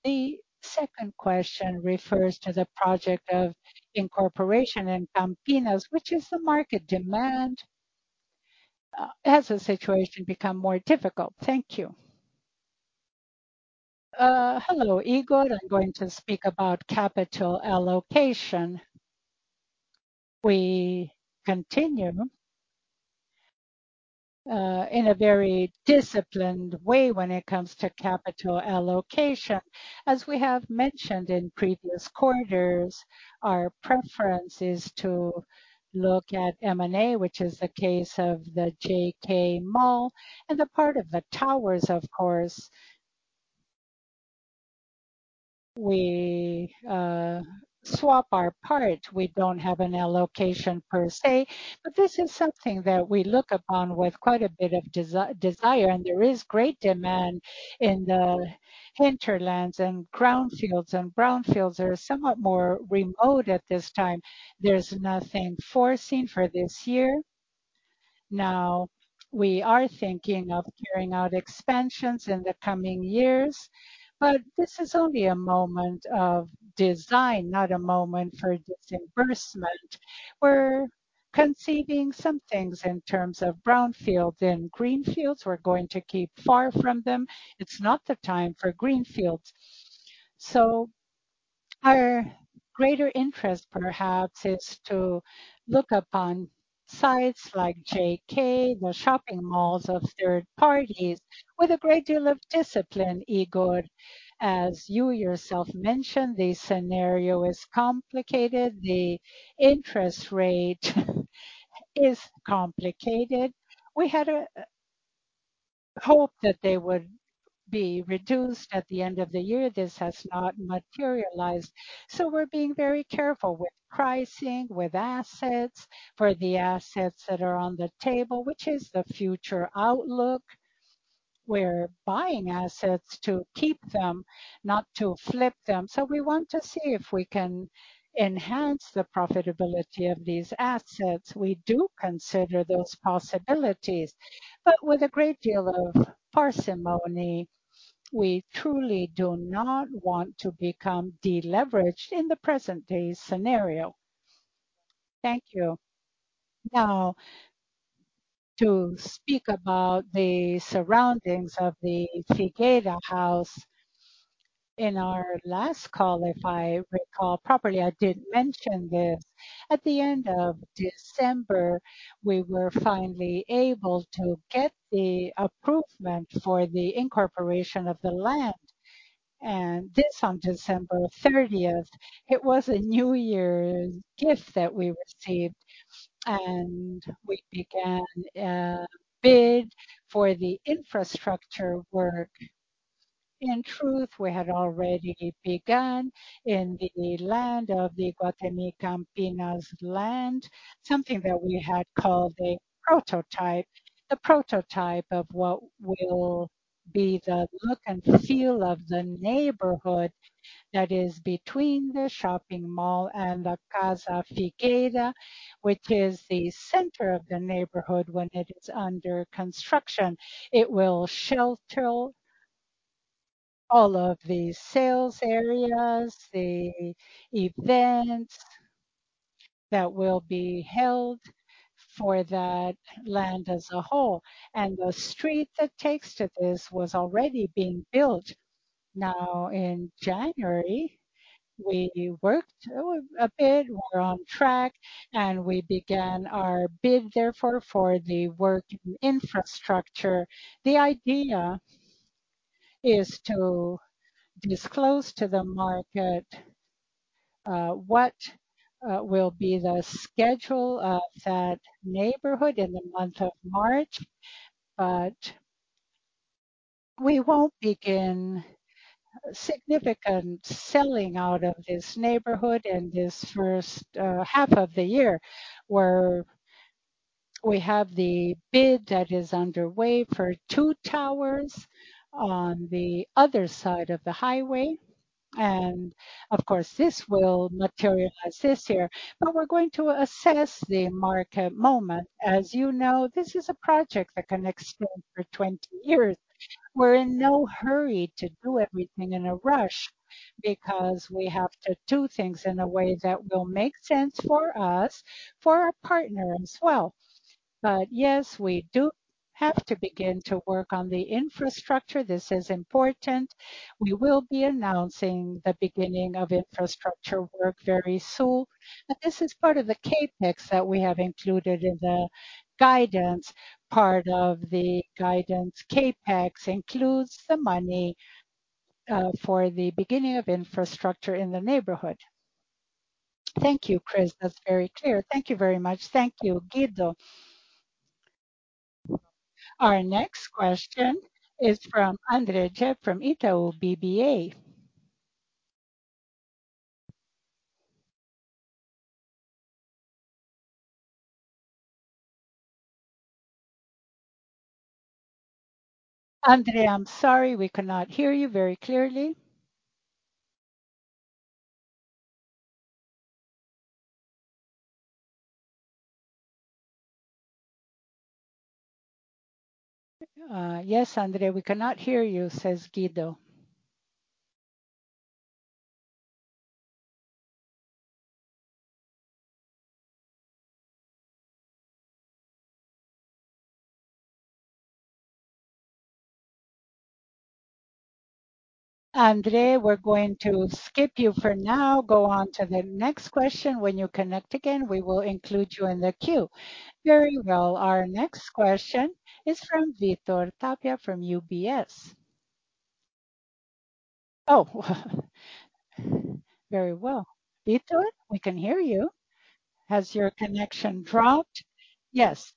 The second question refers to the project of incorporation in Campinas. Which is the market demand? Has the situation become more difficult? Thank you. Hello, Ygor. I'm going to speak about capital allocation. We continue in a very disciplined way when it comes to capital allocation. As we have mentioned in previous quarters, our preference is to look at M&A, which is the case of the JK Mall and the part of the towers, of course. We swap our part. We don't have an allocation per say, but this is something that we look upon with quite a bit of desire, and there is great demand in the hinterlands and ground fields, and brown fields are somewhat more remote at this time. There's nothing foreseen for this year. Now we are thinking of carrying out expansions in the coming years, but this is only a moment of design, not a moment for disbursement. We're conceiving some things in terms of brown field and green fields. We're going to keep far from them. It's not the time for green fields. Our greater interest perhaps is to look upon sites like JK, the shopping malls of third parties with a great deal of discipline, Ygor. As you yourself mentioned, the scenario is complicated. The interest rate is complicated. We had a hope that they would be reduced at the end of the year. This has not materialized. We're being very careful with pricing, with assets. For the assets that are on the table, which is the future outlook, we're buying assets to keep them, not to flip them. We want to see if we can enhance the profitability of these assets. We do consider those possibilities, but with a great deal of parsimony. We truly do not want to become deleveraged in the present day scenario. Thank you. To speak about the surroundings of the Casa Figueira. In our last call, if I recall properly, I did mention this. At the end of December, we were finally able to get the approval for the incorporation of the land. This on December 30th. It was a New Year's gift that we received, and we began a bid for the infrastructure work. In truth, we had already begun in the land of the Iguatemi Campinas land, something that we had called a prototype. The prototype of what will be the look and feel of the neighborhood that is between the shopping mall and the Casa Figueira, which is the center of the neighborhood when it is under construction. It will shelter all of the sales areas, the events that will be held for that land as a whole. The street that takes to this was already being built. Now, in January, we worked a bit. We're on track, we began our bid, therefore, for the work infrastructure. The idea is to disclose to the market what will be the schedule of that neighborhood in the month of March, we won't begin significant selling out of this neighborhood in this first half of the year, where we have the bid that is underway for two towers on the other side of the highway. Of course, this will materialize this year. We're going to assess the market moment. As you know, this is a project that can extend for 20 years. We're in no hurry to do everything in a rush because we have to do things in a way that will make sense for us, for our partner as well. Yes, we do have to begin to work on the infrastructure. This is important. We will be announcing the beginning of infrastructure work very soon. This is part of the CapEx that we have included in the guidance. Part of the guidance CapEx includes the money for the beginning of infrastructure in the neighborhood. Thank you, Cris. That's very clear. Thank you very much. Thank you, Guido. Our next question is from André Dibe, from Itaú BBA. André, I'm sorry, we cannot hear you very clearly. Yes, André, we cannot hear you, says Guido. André, we're going to skip you for now. Go on to the next question. When you connect again, we will include you in the queue. Very well. Our next question is from Victor Ribeiro, from UBS. Very well. Vinicius, we can hear you. Has your connection dropped? Yes.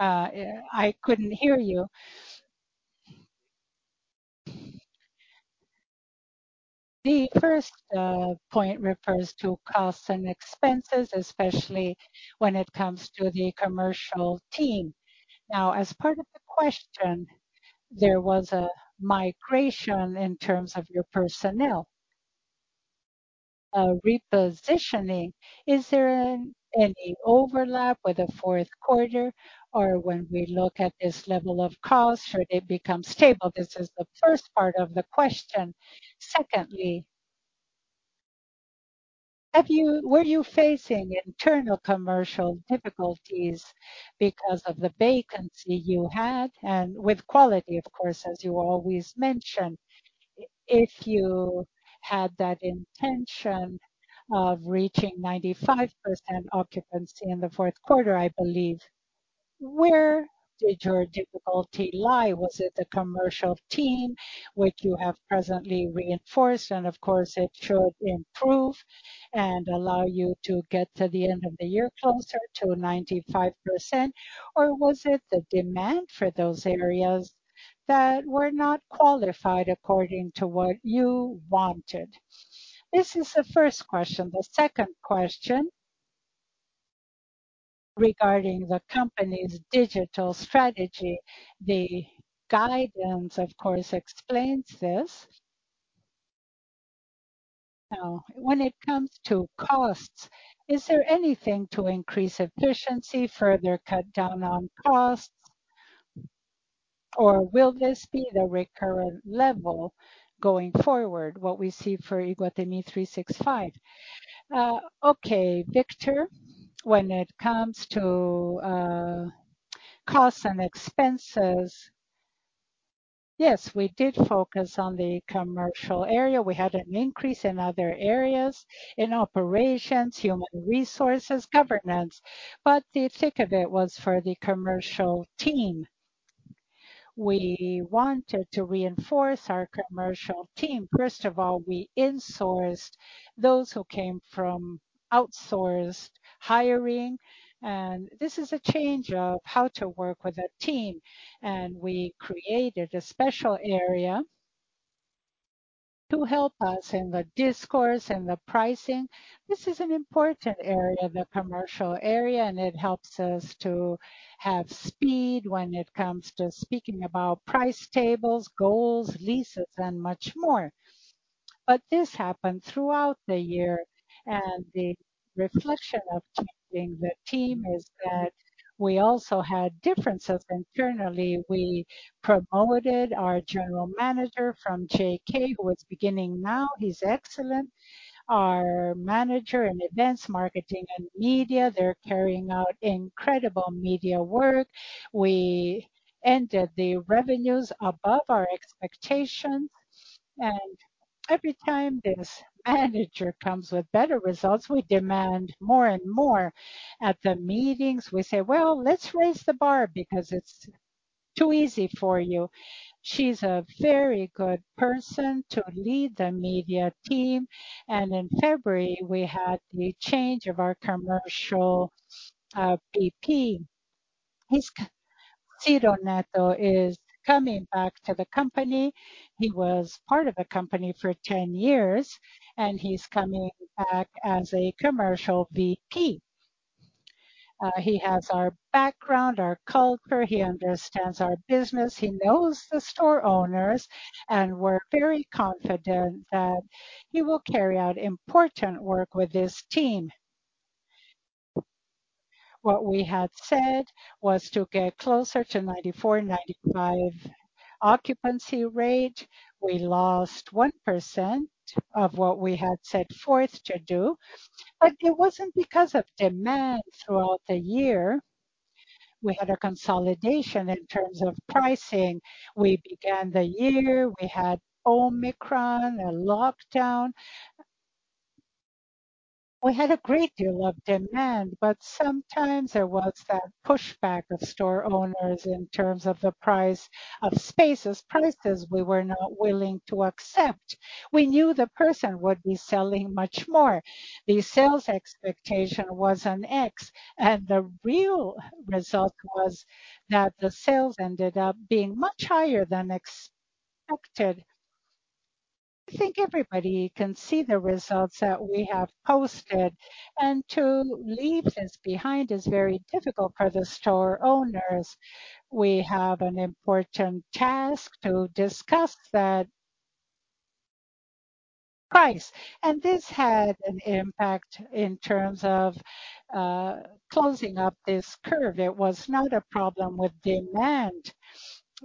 Yeah, I couldn't hear you. The first point refers to costs and expenses, especially when it comes to the commercial team. As part of the question, there was a migration in terms of your personnel, a repositioning. Is there any overlap with the fourth quarter or when we look at this level of costs, should it become stable? This is the first part of the question. Secondly, were you facing internal commercial difficulties because of the vacancy you had and with quality, of course, as you always mention? If you had that intention of reaching 95% occupancy in the fourth quarter, I believe, where did your difficulty lie? Was it the commercial team, which you have presently reinforced, of course, it should improve and allow you to get to the end of the year, closer to 95%? Was it the demand for those areas that were not qualified according to what you wanted? This is the first question. The second question regarding the company's digital strategy. The guidance, of course, explains this. When it comes to costs, is there anything to increase efficiency, further cut down on costs? Will this be the recurrent level going forward, what we see for Iguatemi 365? Okay, Victor. When it comes to costs and expenses, yes, we did focus on the commercial area. We had an increase in other areas, in operations, human resources, governance. The thick of it was for the commercial team. We wanted to reinforce our commercial team. First of all, we insourced those who came from outsourced hiring, and this is a change of how to work with a team. We created a special area to help us in the discourse and the pricing. This is an important area, the commercial area, and it helps us to have speed when it comes to speaking about price tables, goals, leases, and much more. This happened throughout the year, and the reflection of changing the team is that we also had differences internally. We promoted our general manager from JK, who is beginning now. He's excellent. Our manager in events, marketing, and media, they're carrying out incredible media work. We ended the revenues above our expectations, and every time this manager comes with better results, we demand more and more. At the meetings, we say, "Well, let's raise the bar because it's too easy for you." She's a very good person to lead the media team. In February, we had the change of our commercial VP. He's Ciro Neto is coming back to the company. He was part of the company for 10 years, and he's coming back as a commercial VP. He has our background, our culture. He understands our business. He knows the store owners, and we're very confident that he will carry out important work with his team. What we had said was to get closer to 94%, 95% occupancy rate. We lost 1% of what we had set forth to do, but it wasn't because of demand throughout the year. We had a consolidation in terms of pricing. We began the year. We had Omicron, a lockdown. We had a great deal of demand, but sometimes there was that pushback of store owners in terms of the price of spaces, prices we were not willing to accept. We knew the person would be selling much more. The sales expectation was an X, and the real result was that the sales ended up being much higher than expected. I think everybody can see the results that we have posted, and to leave this behind is very difficult for the store owners. We have an important task to discuss that price. This had an impact in terms of closing up this curve. It was not a problem with demand.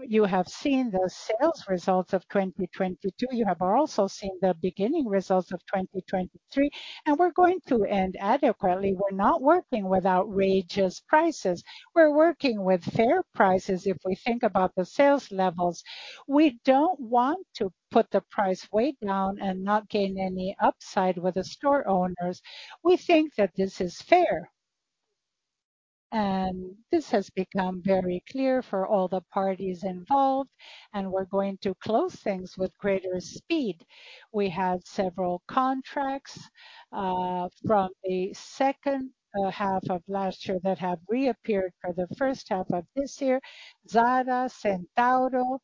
You have seen the sales results of 2022. You have also seen the beginning results of 2023. We're going to end adequately. We're not working with outrageous prices. We're working with fair prices if we think about the sales levels. We don't want to put the price way down and not gain any upside with the store owners. We think that this is fair. This has become very clear for all the parties involved, and we're going to close things with greater speed. We had several contracts from the second half of last year that have reappeared for the first half of this year. Zara, Centauro,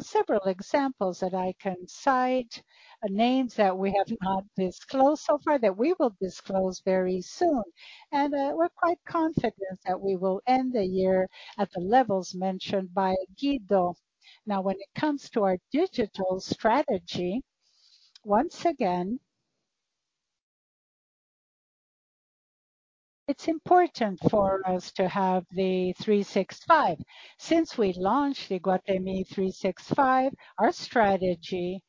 several examples that I can cite. Names that we have not disclosed so far that we will disclose very soon. We're quite confident that we will end the year at the levels mentioned by Guido. When it comes to our digital strategy, once again, it's important for us to have the 365. Since we launched Iguatemi 365, our strategy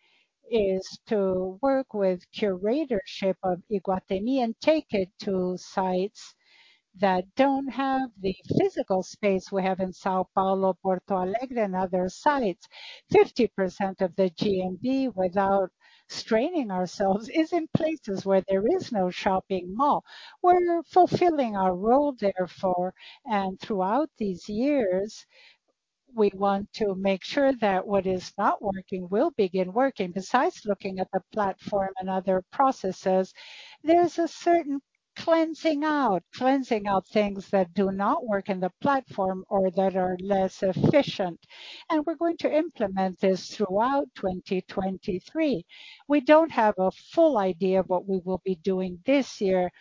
is to work with curatorship of Iguatemi and take it to sites that don't have the physical space we have in São Paulo, Porto Alegre, and other sites. 50% of the GMV without straining ourselves is in places where there is no shopping mall. We're fulfilling our role therefore, and throughout these years, we want to make sure that what is not working will begin working. Besides looking at the platform and other processes, there's a certain cleansing out. Cleansing out things that do not work in the platform or that are less efficient. And we're going to implement this throughout 2023. We don't have a full idea of what we will be doing this year.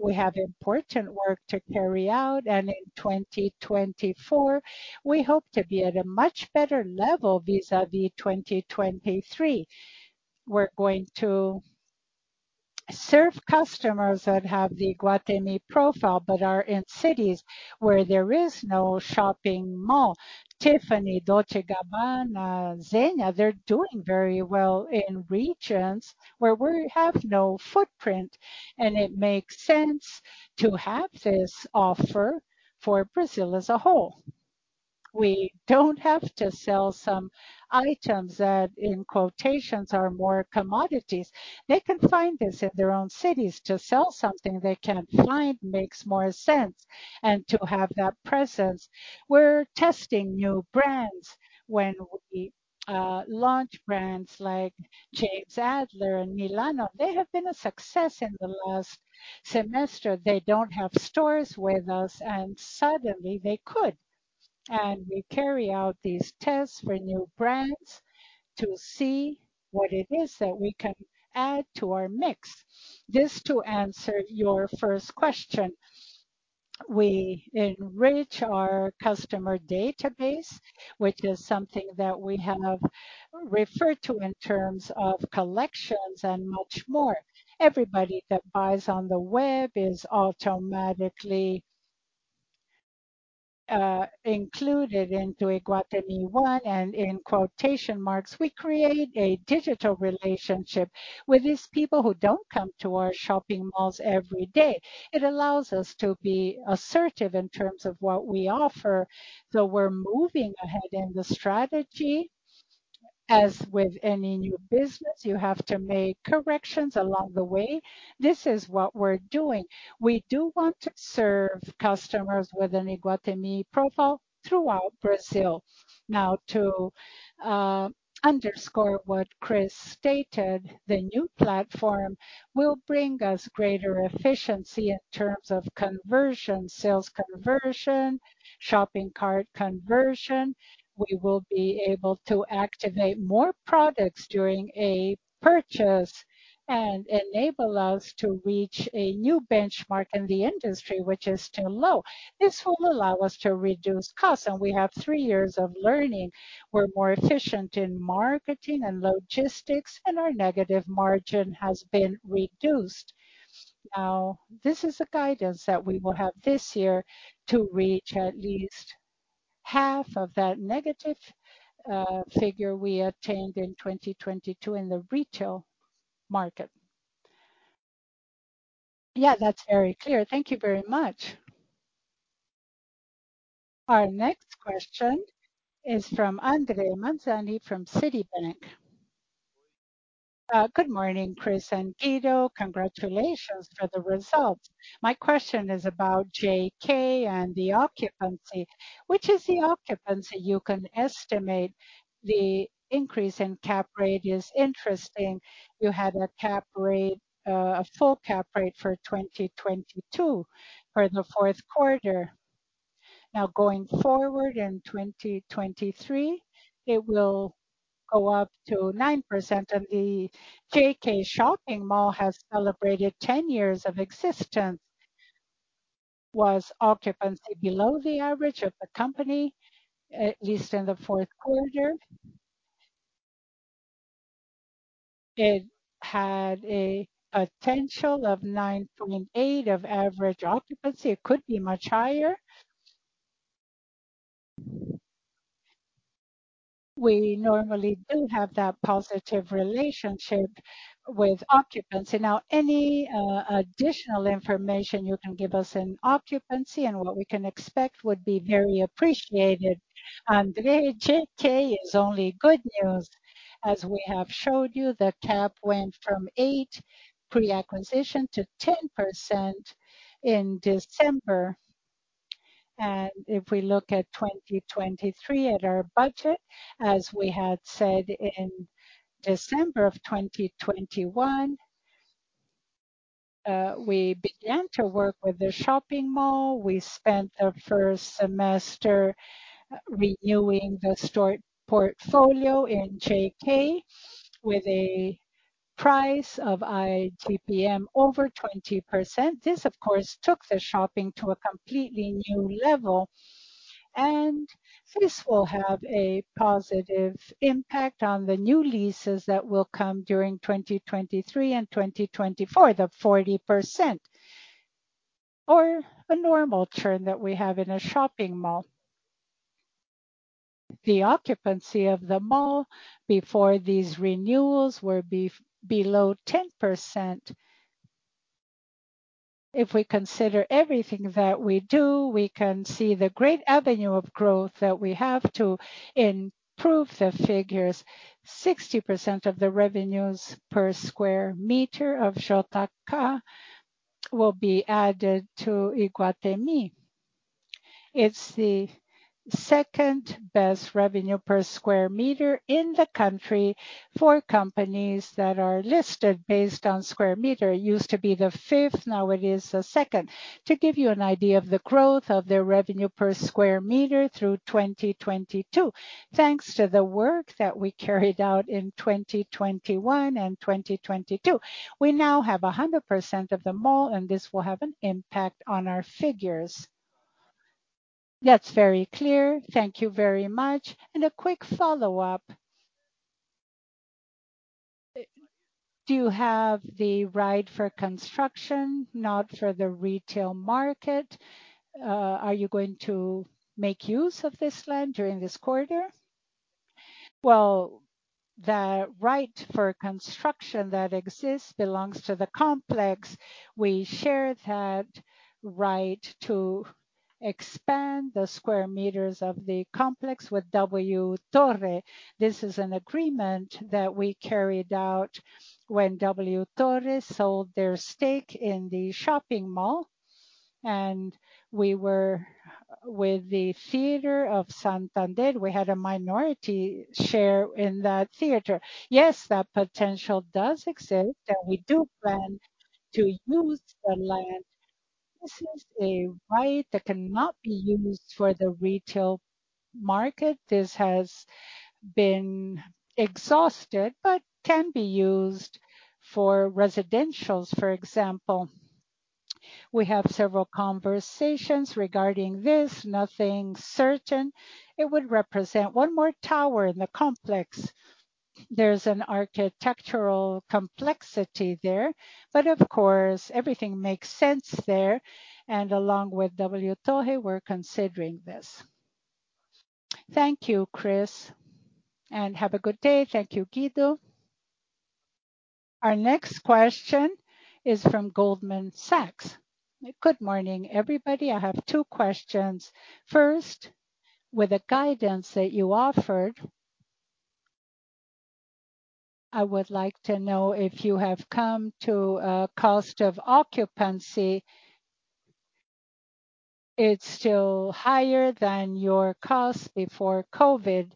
We have important work to carry out, and in 2024, we hope to be at a much better level vis-à-vis 2023. We're going to serve customers that have the Iguatemi profile but are in cities where there is no shopping mall. Tiffany, Dolce & Gabbana, Zegna, they're doing very well in regions where we have no footprint. It makes sense to have this offer for Brazil as a whole. We don't have to sell some items that, in quotations, are more commodities. They can find this in their own cities. To sell something they can find makes more sense and to have that presence. We're testing new brands. When we launch brands like Jonathan Adler and Milano, they have been a success in the last semester. They don't have stores with us. Suddenly they could. We carry out these tests for new brands to see what it is that we can add to our mix. This to answer your first question. We enrich our customer database, which is something that we have referred to in terms of collections and much more. Everybody that buys on the web is automatically included into Iguatemi One, and in quotation marks, we create a digital relationship with these people who don't come to our shopping malls every day. It allows us to be assertive in terms of what we offer. We're moving ahead in the strategy. As with any new business, you have to make corrections along the way. This is what we're doing. We do want to serve customers with an Iguatemi profile throughout Brazil. To underscore what Cris stated, the new platform will bring us greater efficiency in terms of conversion, sales conversion, shopping cart conversion. We will be able to activate more products during a purchase and enable us to reach a new benchmark in the industry, which is still low. This will allow us to reduce costs, and we have three years of learning. We're more efficient in marketing and logistics, our negative margin has been reduced. This is a guidance that we will have this year to reach at least half of that negative figure we obtained in 2022 in the retail market. That's very clear. Thank you very much. Our next question is from Andre Mazzini from Citibank. Good morning, Cris and Guido. Congratulations for the results. My question is about JK and the occupancy. Which is the occupancy you can estimate? The increase in cap rate is interesting. You had a full cap rate for 2022 for the fourth quarter. Going forward in 2023, it will go up to 9%, and the JK shopping mall has celebrated 10 years of existence. Was occupancy below the average of the company, at least in the fourth quarter? It had a potential of 9.8 of average occupancy. It could be much higher. We normally do have that positive relationship with occupancy. Now, any additional information you can give us in occupancy and what we can expect would be very appreciated. Andre, JK is only good news. As we have showed you, the cap went from eight pre-acquisition to 10% in December. If we look at 2023 at our budget, as we had said in December of 2021, we began to work with the shopping mall. We spent the first semester renewing the store portfolio in JK with a price of ITPM over 20%. This, of course, took the shopping to a completely new level, and this will have a positive impact on the new leases that will come during 2023 and 2024, the 40% or a normal churn that we have in a shopping mall. The occupancy of the mall before these renewals were below 10%. If we consider everything that we do, we can see the great avenue of growth that we have to improve the figures. 60% of the revenues per square meter of [Xataka] will be added to Iguatemi. It's the second best revenue per square meter in the country for companies that are listed based on square meter. It used to be the fifth, now it is the second. To give you an idea of the growth of their revenue per square meter through 2022, thanks to the work that we carried out in 2021 and 2022, we now have 100% of the mall, and this will have an impact on our figures. That's very clear. Thank you very much. A quick follow-up. Do you have the right for construction, not for the retail market? Are you going to make use of this land during this quarter? Well, the right for construction that exists belongs to the complex. We share that right to expand the square meters of the complex with WTorre. This is an agreement that we carried out when WTorre sold their stake in the shopping mall. We were with the Teatro Santander. We had a minority share in that theater. Yes, that potential does exist. We do plan to use the land. This is a right that cannot be used for the retail market. This has been exhausted, can be used for residentials, for example. We have several conversations regarding this. Nothing certain. It would represent one more tower in the complex. There's an architectural complexity there, but of course, everything makes sense there. Along with WTorre, we're considering this. Thank you, Cris, and have a good day. Thank you, Guido. Our next question is from Goldman Sachs. Good morning, everybody. I have two questions. First, with the guidance that you offered, I would like to know if you have come to a cost of occupancy. It's still higher than your cost before COVID.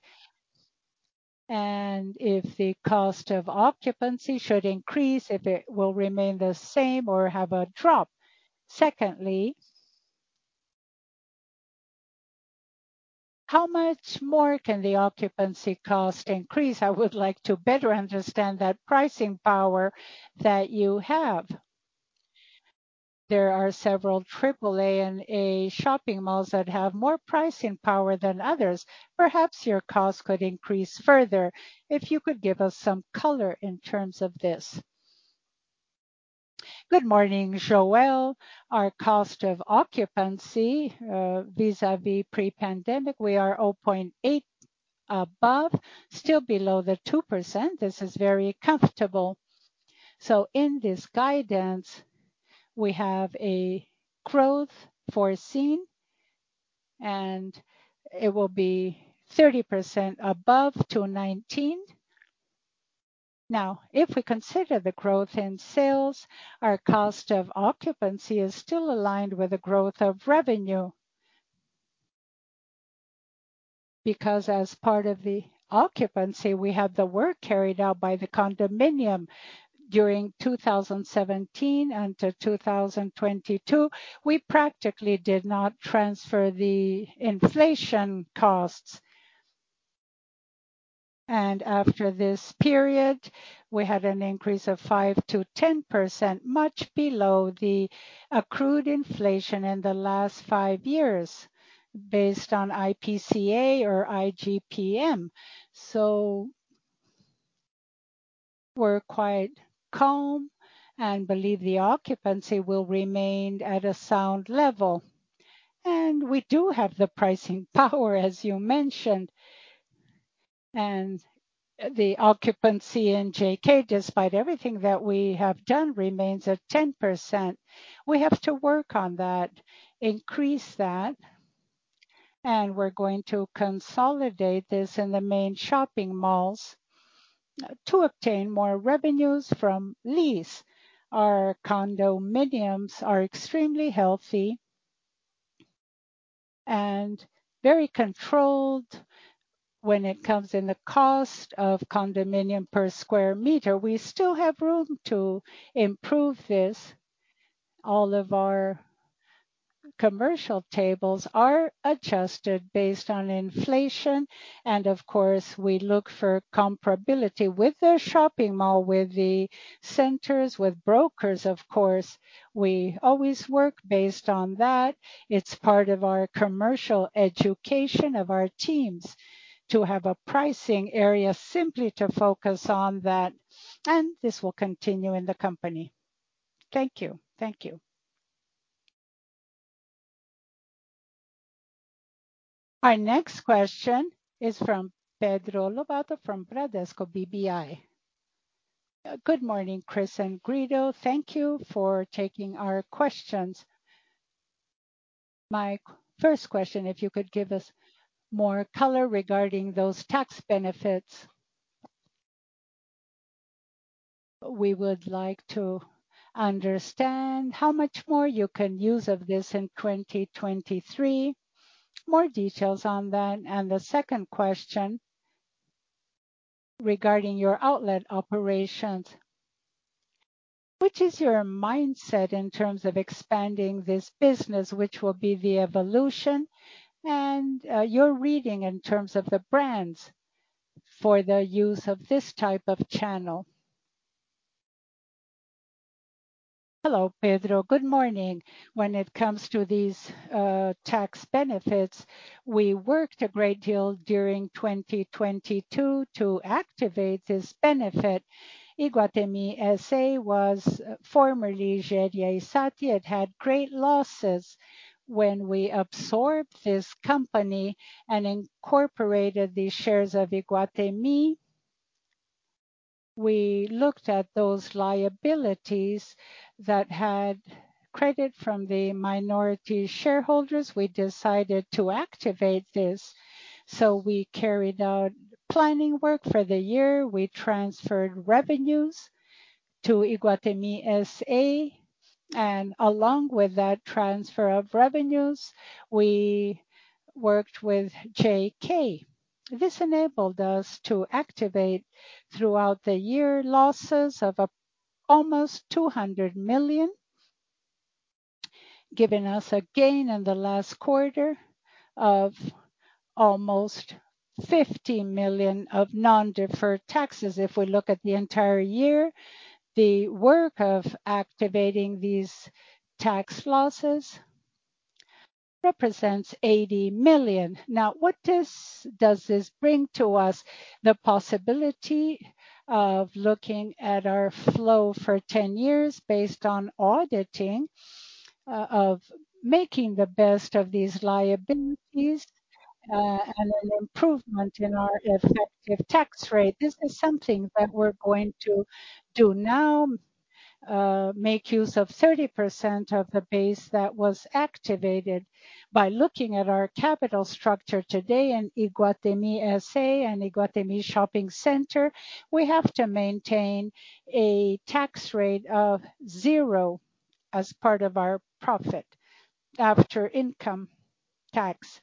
If the cost of occupancy should increase, if it will remain the same or have a drop. Secondly, how much more can the occupancy cost increase? I would like to better understand that pricing power that you have. There are several triple AAA and A shopping malls that have more pricing power than others. Perhaps your cost could increase further. If you could give us some color in terms of this. Good morning, Joel. Our cost of occupancy, vis-à-vis pre-pandemic, we are 0.8 above, still below the 2%. This is very comfortable. In this guidance, we have a growth foreseen, and it will be 30% above to 2019. If we consider the growth in sales, our cost of occupancy is still aligned with the growth of revenue. As part of the occupancy, we have the work carried out by the condominium during 2017 until 2022. We practically did not transfer the inflation costs. After this period, we had an increase of 5%-10%, much below the accrued inflation in the last five years based on IPCA or IGPM. We're quite calm and believe the occupancy will remain at a sound level. We do have the pricing power, as you mentioned. The occupancy in JK, despite everything that we have done, remains at 10%. We have to work on that, increase that, and we're going to consolidate this in the main shopping malls to obtain more revenues from lease. Our condominiums are extremely healthy and very controlled when it comes in the cost of condominium per square meter. We still have room to improve this. All of our commercial tables are adjusted based on inflation, of course, we look for comparability with the shopping mall, with the centers, with brokers, of course. We always work based on that. It's part of our commercial education of our teams to have a pricing area simply to focus on that. This will continue in the company. Thank you. Thank you. Our next question is from Pedro Mendonça from Bradesco BBI. Good morning, Cris and Guido. Thank you for taking our questions. My first question, if you could give us more color regarding those tax benefits. We would like to understand how much more you can use of this in 2023. More details on that. The second question regarding your outlet operations. Which is your mindset in terms of expanding this business? Which will be the evolution and your reading in terms of the brands for the use of this type of channel? Hello, Pedro. Good morning. When it comes to these tax benefits, we worked a great deal during 2022 to activate this benefit. Iguatemi S.A. was formerly Jereissati Participações S.A. It had great losses. When we absorbed this company and incorporated the shares of Iguatemi, we looked at those liabilities that had credit from the minority shareholders. We decided to activate this. We carried out planning work for the year. We transferred revenues to Iguatemi S.A., along with that transfer of revenues, we worked with JK. This enabled us to activate throughout the year losses of almost 200 million, giving us a gain in the last quarter of almost 50 million of non-deferred taxes. What this does this bring to us? The possibility of looking at our flow for 10 years based on auditing, of making the best of these liabilities, and an improvement in our effective tax rate. This is something that we're going to do now, make use of 30% of the base that was activated. By looking at our capital structure today in Iguatemi S.A. and Iguatemi Shopping Center, we have to maintain a tax rate of 0 as part of our profit after income tax.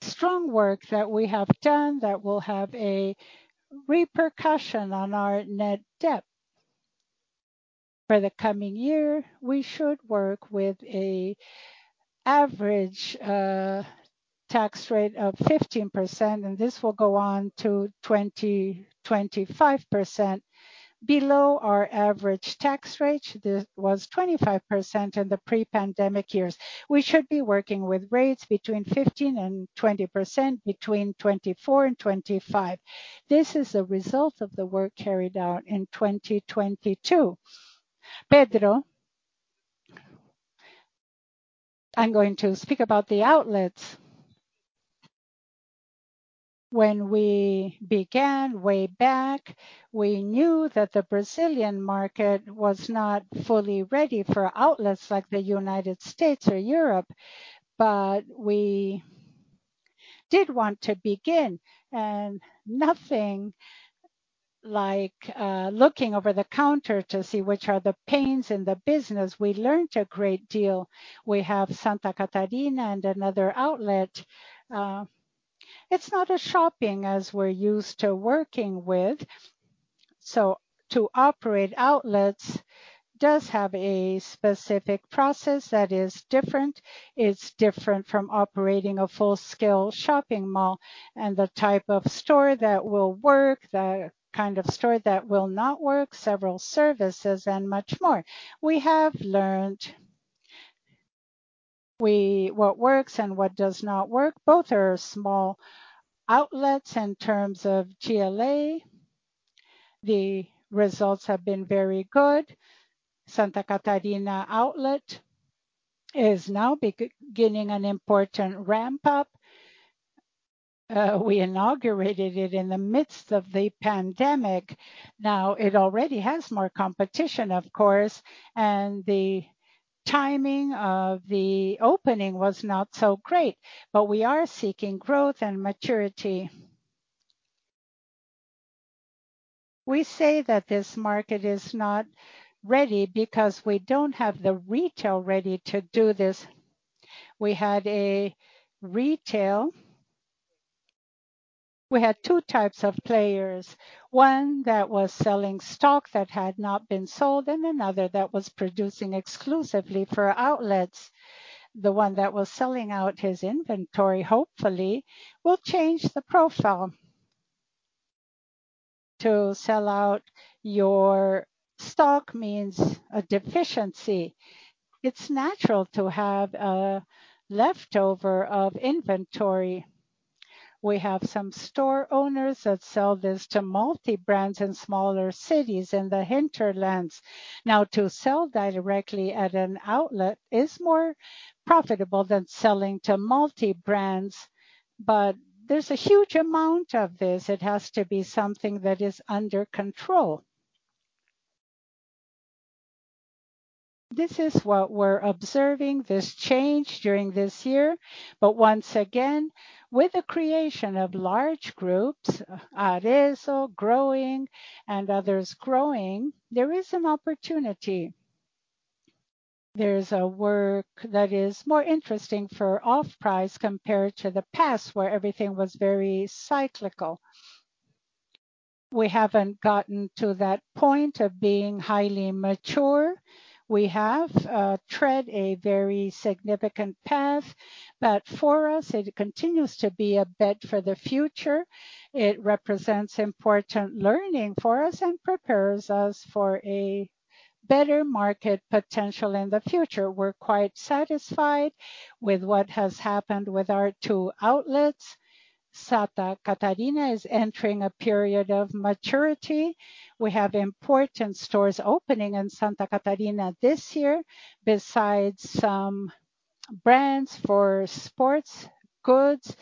Strong work that we have done that will have a repercussion on our net debt. For the coming year, we should work with an average tax rate of 15%, and this will go on to 20%-25%. Below our average tax rate, this was 25% in the pre-pandemic years. We should be working with rates between 15% and 20% between 2024 and 2025. This is a result of the work carried out in 2022. Pedro, I'm going to speak about the outlets. When we began way back, we knew that the Brazilian market was not fully ready for outlets like the United States or Europe. We did want to begin, and nothing like looking over the counter to see which are the pains in the business. We learned a great deal. We have Santa Catarina and another outlet. It's not a shopping as we're used to working with. To operate outlets does have a specific process that is different. It's different from operating a full-scale shopping mall and the type of store that will work, the kind of store that will not work, several services and much more. We have learned what works and what does not work. Both are small outlets in terms of GLA. The results have been very good. Santa Catarina outlet is now getting an important ramp up. We inaugurated it in the midst of the pandemic. Now it already has more competition, of course, and the timing of the opening was not so great. We are seeking growth and maturity. We say that this market is not ready because we don't have the retail ready to do this. We had two types of players. One that was selling stock that had not been sold and another that was producing exclusively for outlets. The one that was selling out his inventory, hopefully will change the profile. To sell out your stock means a deficiency. It's natural to have a leftover of inventory. We have some store owners that sell this to multi-brands in smaller cities in the hinterlands. Now, to sell directly at an outlet is more profitable than selling to multi-brands. There's a huge amount of this. It has to be something that is under control. This is what we're observing, this change during this year. Once again, with the creation of large groups, Arezzo growing and others growing, there is an opportunity. There's a work that is more interesting for off-price compared to the past where everything was very cyclical. We haven't gotten to that point of being highly mature. We have tread a very significant path, but for us it continues to be a bet for the future. It represents important learning for us and prepares us for a better market potential in the future. We're quite satisfied with what has happened with our two outlets. Santa Catarina is entering a period of maturity. We have important stores opening in Santa Catarina this year. Besides some brands for sports goods,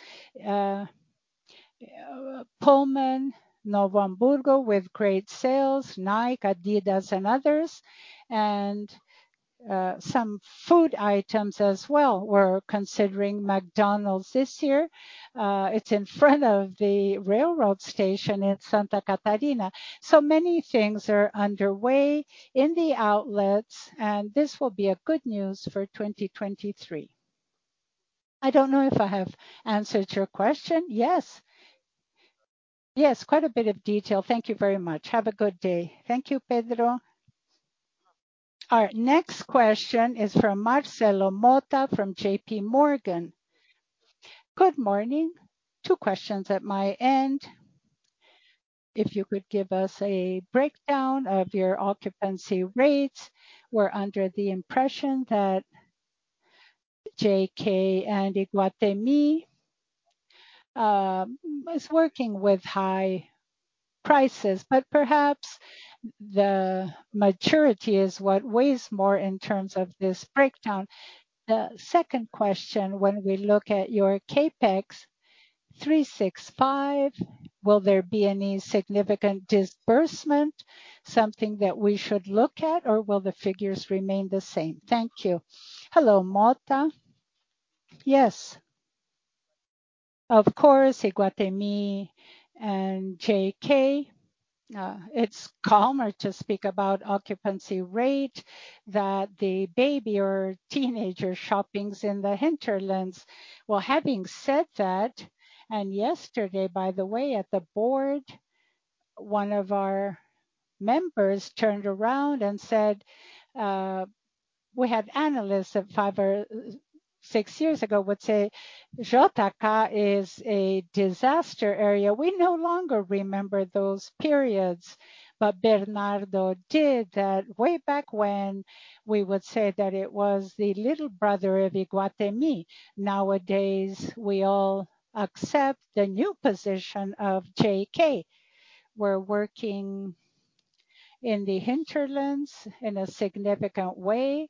Pullman, Novo Hamburgo with great sales, Nike, Adidas and others, some food items as well. We're considering McDonald's this year. It's in front of the railroad station in Santa Catarina. Many things are underway in the outlets and this will be a good news for 2023. I don't know if I have answered your question. Yes. Yes, quite a bit of detail. Thank you very much. Have a good day. Thank you, Pedro. Our next question is from Marcelo Motta from J.P. Morgan. Good morning. Two questions at my end. If you could give us a breakdown of your occupancy rates. We're under the impression that JK and Iguatemi is working with high prices, perhaps the maturity is what weighs more in terms of this breakdown. The second question, when we look at your CapEx 365, will there be any significant disbursement, something that we should look at, or will the figures remain the same? Thank you. Hello, Motta. Yes. Of course, Iguatemi and JK, it's calmer to speak about occupancy rate that the baby or teenager shopping is in the hinterlands. Having said that, yesterday, by the way, at the board, one of our members turned around and said, we had analysts at five or six years ago would say, JK is a disaster area. We no longer remember those periods, Bernardo did that way back when we would say that it was the little brother of Iguatemi. Nowadays, we all accept the new position of JK. We're working in the hinterlands in a significant way.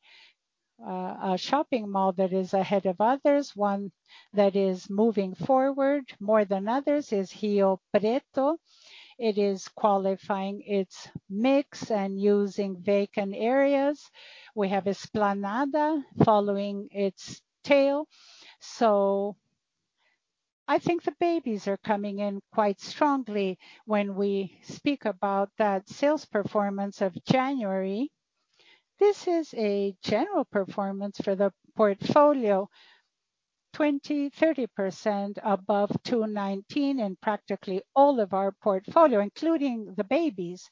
A shopping mall that is ahead of others, one that is moving forward more than others is Rio Preto. It is qualifying its mix and using vacant areas. We have Esplanada following its tail. I think the babies are coming in quite strongly when we speak about that sales performance of January. This is a general performance for the portfolio. 20%, 30% above 2019 in practically all of our portfolio, including the babies.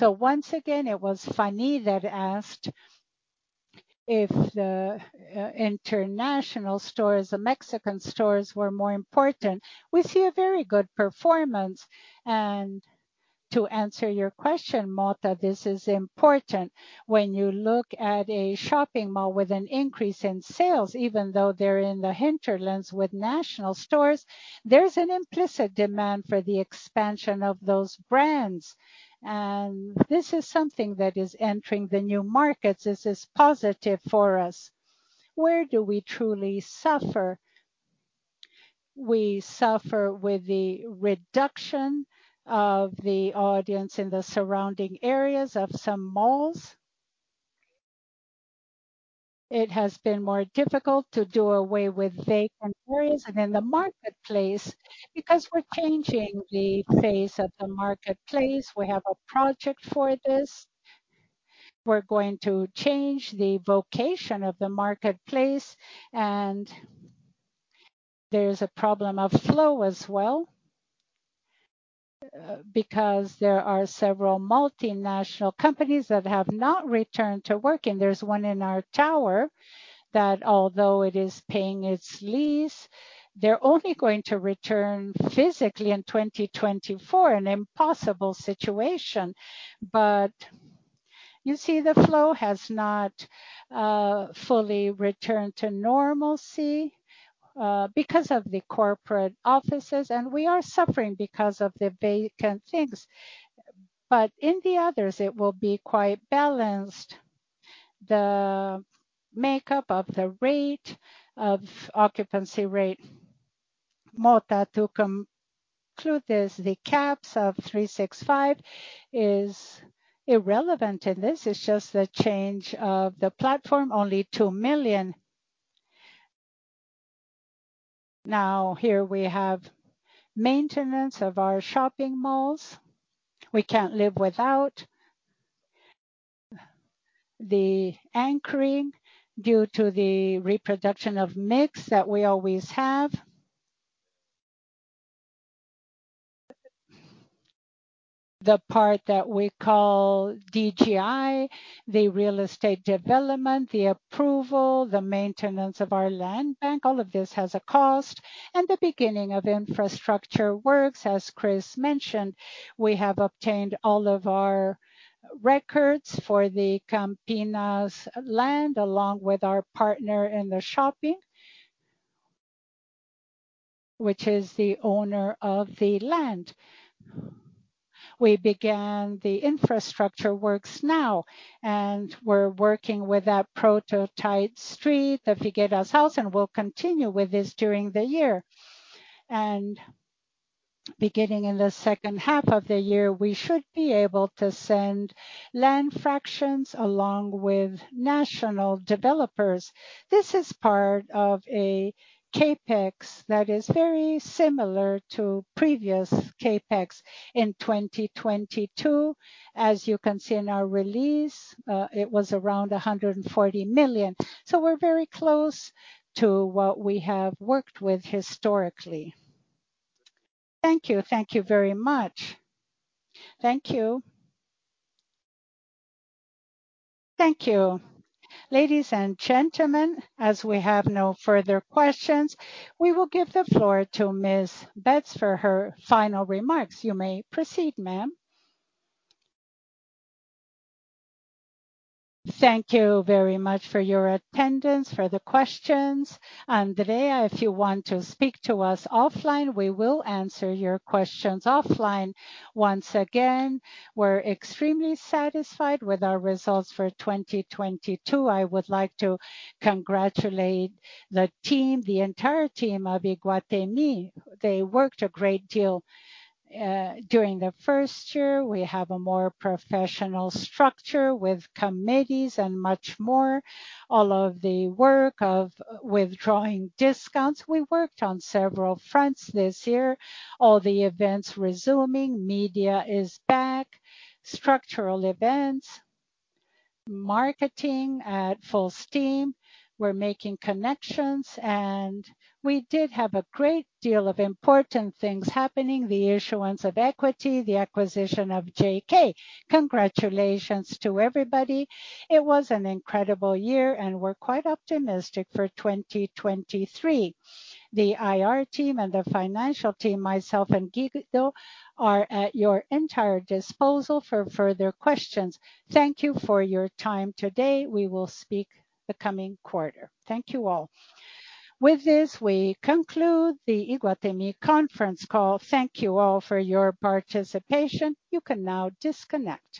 Once again, it was Fanny that asked if the international stores, the Mexican stores were more important. We see a very good performance. To answer your question, Motta, this is important. When you look at a shopping mall with an increase in sales, even though they're in the hinterlands with national stores, there's an implicit demand for the expansion of those brands. This is something that is entering the new markets. This is positive for us. Where do we truly suffer? We suffer with the reduction of the audience in the surrounding areas of some malls. It has been more difficult to do away with vacant areas and then the marketplace, because we're changing the face of the marketplace. We have a project for this. We're going to change the vocation of the marketplace, there is a problem of flow as well, because there are several multinational companies that have not returned to work. There's one in our tower that although it is paying its lease, they're only going to return physically in 2024. An impossible situation. You see the flow has not fully returned to normalcy, because of the corporate offices, and we are suffering because of the vacant things. In the others it will be quite balanced. The makeup of the occupancy rate. Motta, to conclude this, the caps of 365 is irrelevant in this. It's just a change of the platform. Only 2 million. Here we have maintenance of our shopping malls. We can't live without. The anchoring due to the reproduction of mix that we always have. The part that we call DGI, the real estate development, the approval, the maintenance of our land bank, all of this has a cost. The beginning of infrastructure works, as Cris mentioned. We have obtained all of our records for the Campinas land, along with our partner in the shopping, which is the owner of the land. We began the infrastructure works now, and we're working with that prototype street, the Casa Figueira, and we'll continue with this during the year. Beginning in the second half of the year, we should be able to send land fractions along with national developers. This is part of a CapEx that is very similar to previous CapEx in 2022. As you can see in our release, it was around 140 million. We're very close to what we have worked with historically. Thank you. Thank you very much. Thank you. Thank you. Ladies and gentlemen, as we have no further questions, we will give the floor to Ms. Betts for her final remarks. You may proceed, ma'am. Thank you very much for your attendance, for the questions. Today, if you want to speak to us offline, we will answer your questions offline. Once again, we're extremely satisfied with our results for 2022. I would like to congratulate the team, the entire team of Iguatemi. They worked a great deal during the first year. We have a more professional structure with committees and much more. All of the work of withdrawing discounts. We worked on several fronts this year. All the events resuming. Media is back. Structural events. Marketing at full steam. We're making connections. We did have a great deal of important things happening. The issuance of equity, the acquisition of JK Congratulations to everybody. It was an incredible year, and we're quite optimistic for 2023. The IR team and the financial team, myself and Guido, are at your entire disposal for further questions. Thank you for your time today. We will speak the coming quarter. Thank you all. With this, we conclude the Iguatemi conference call. Thank you all for your participation. You can now disconnect.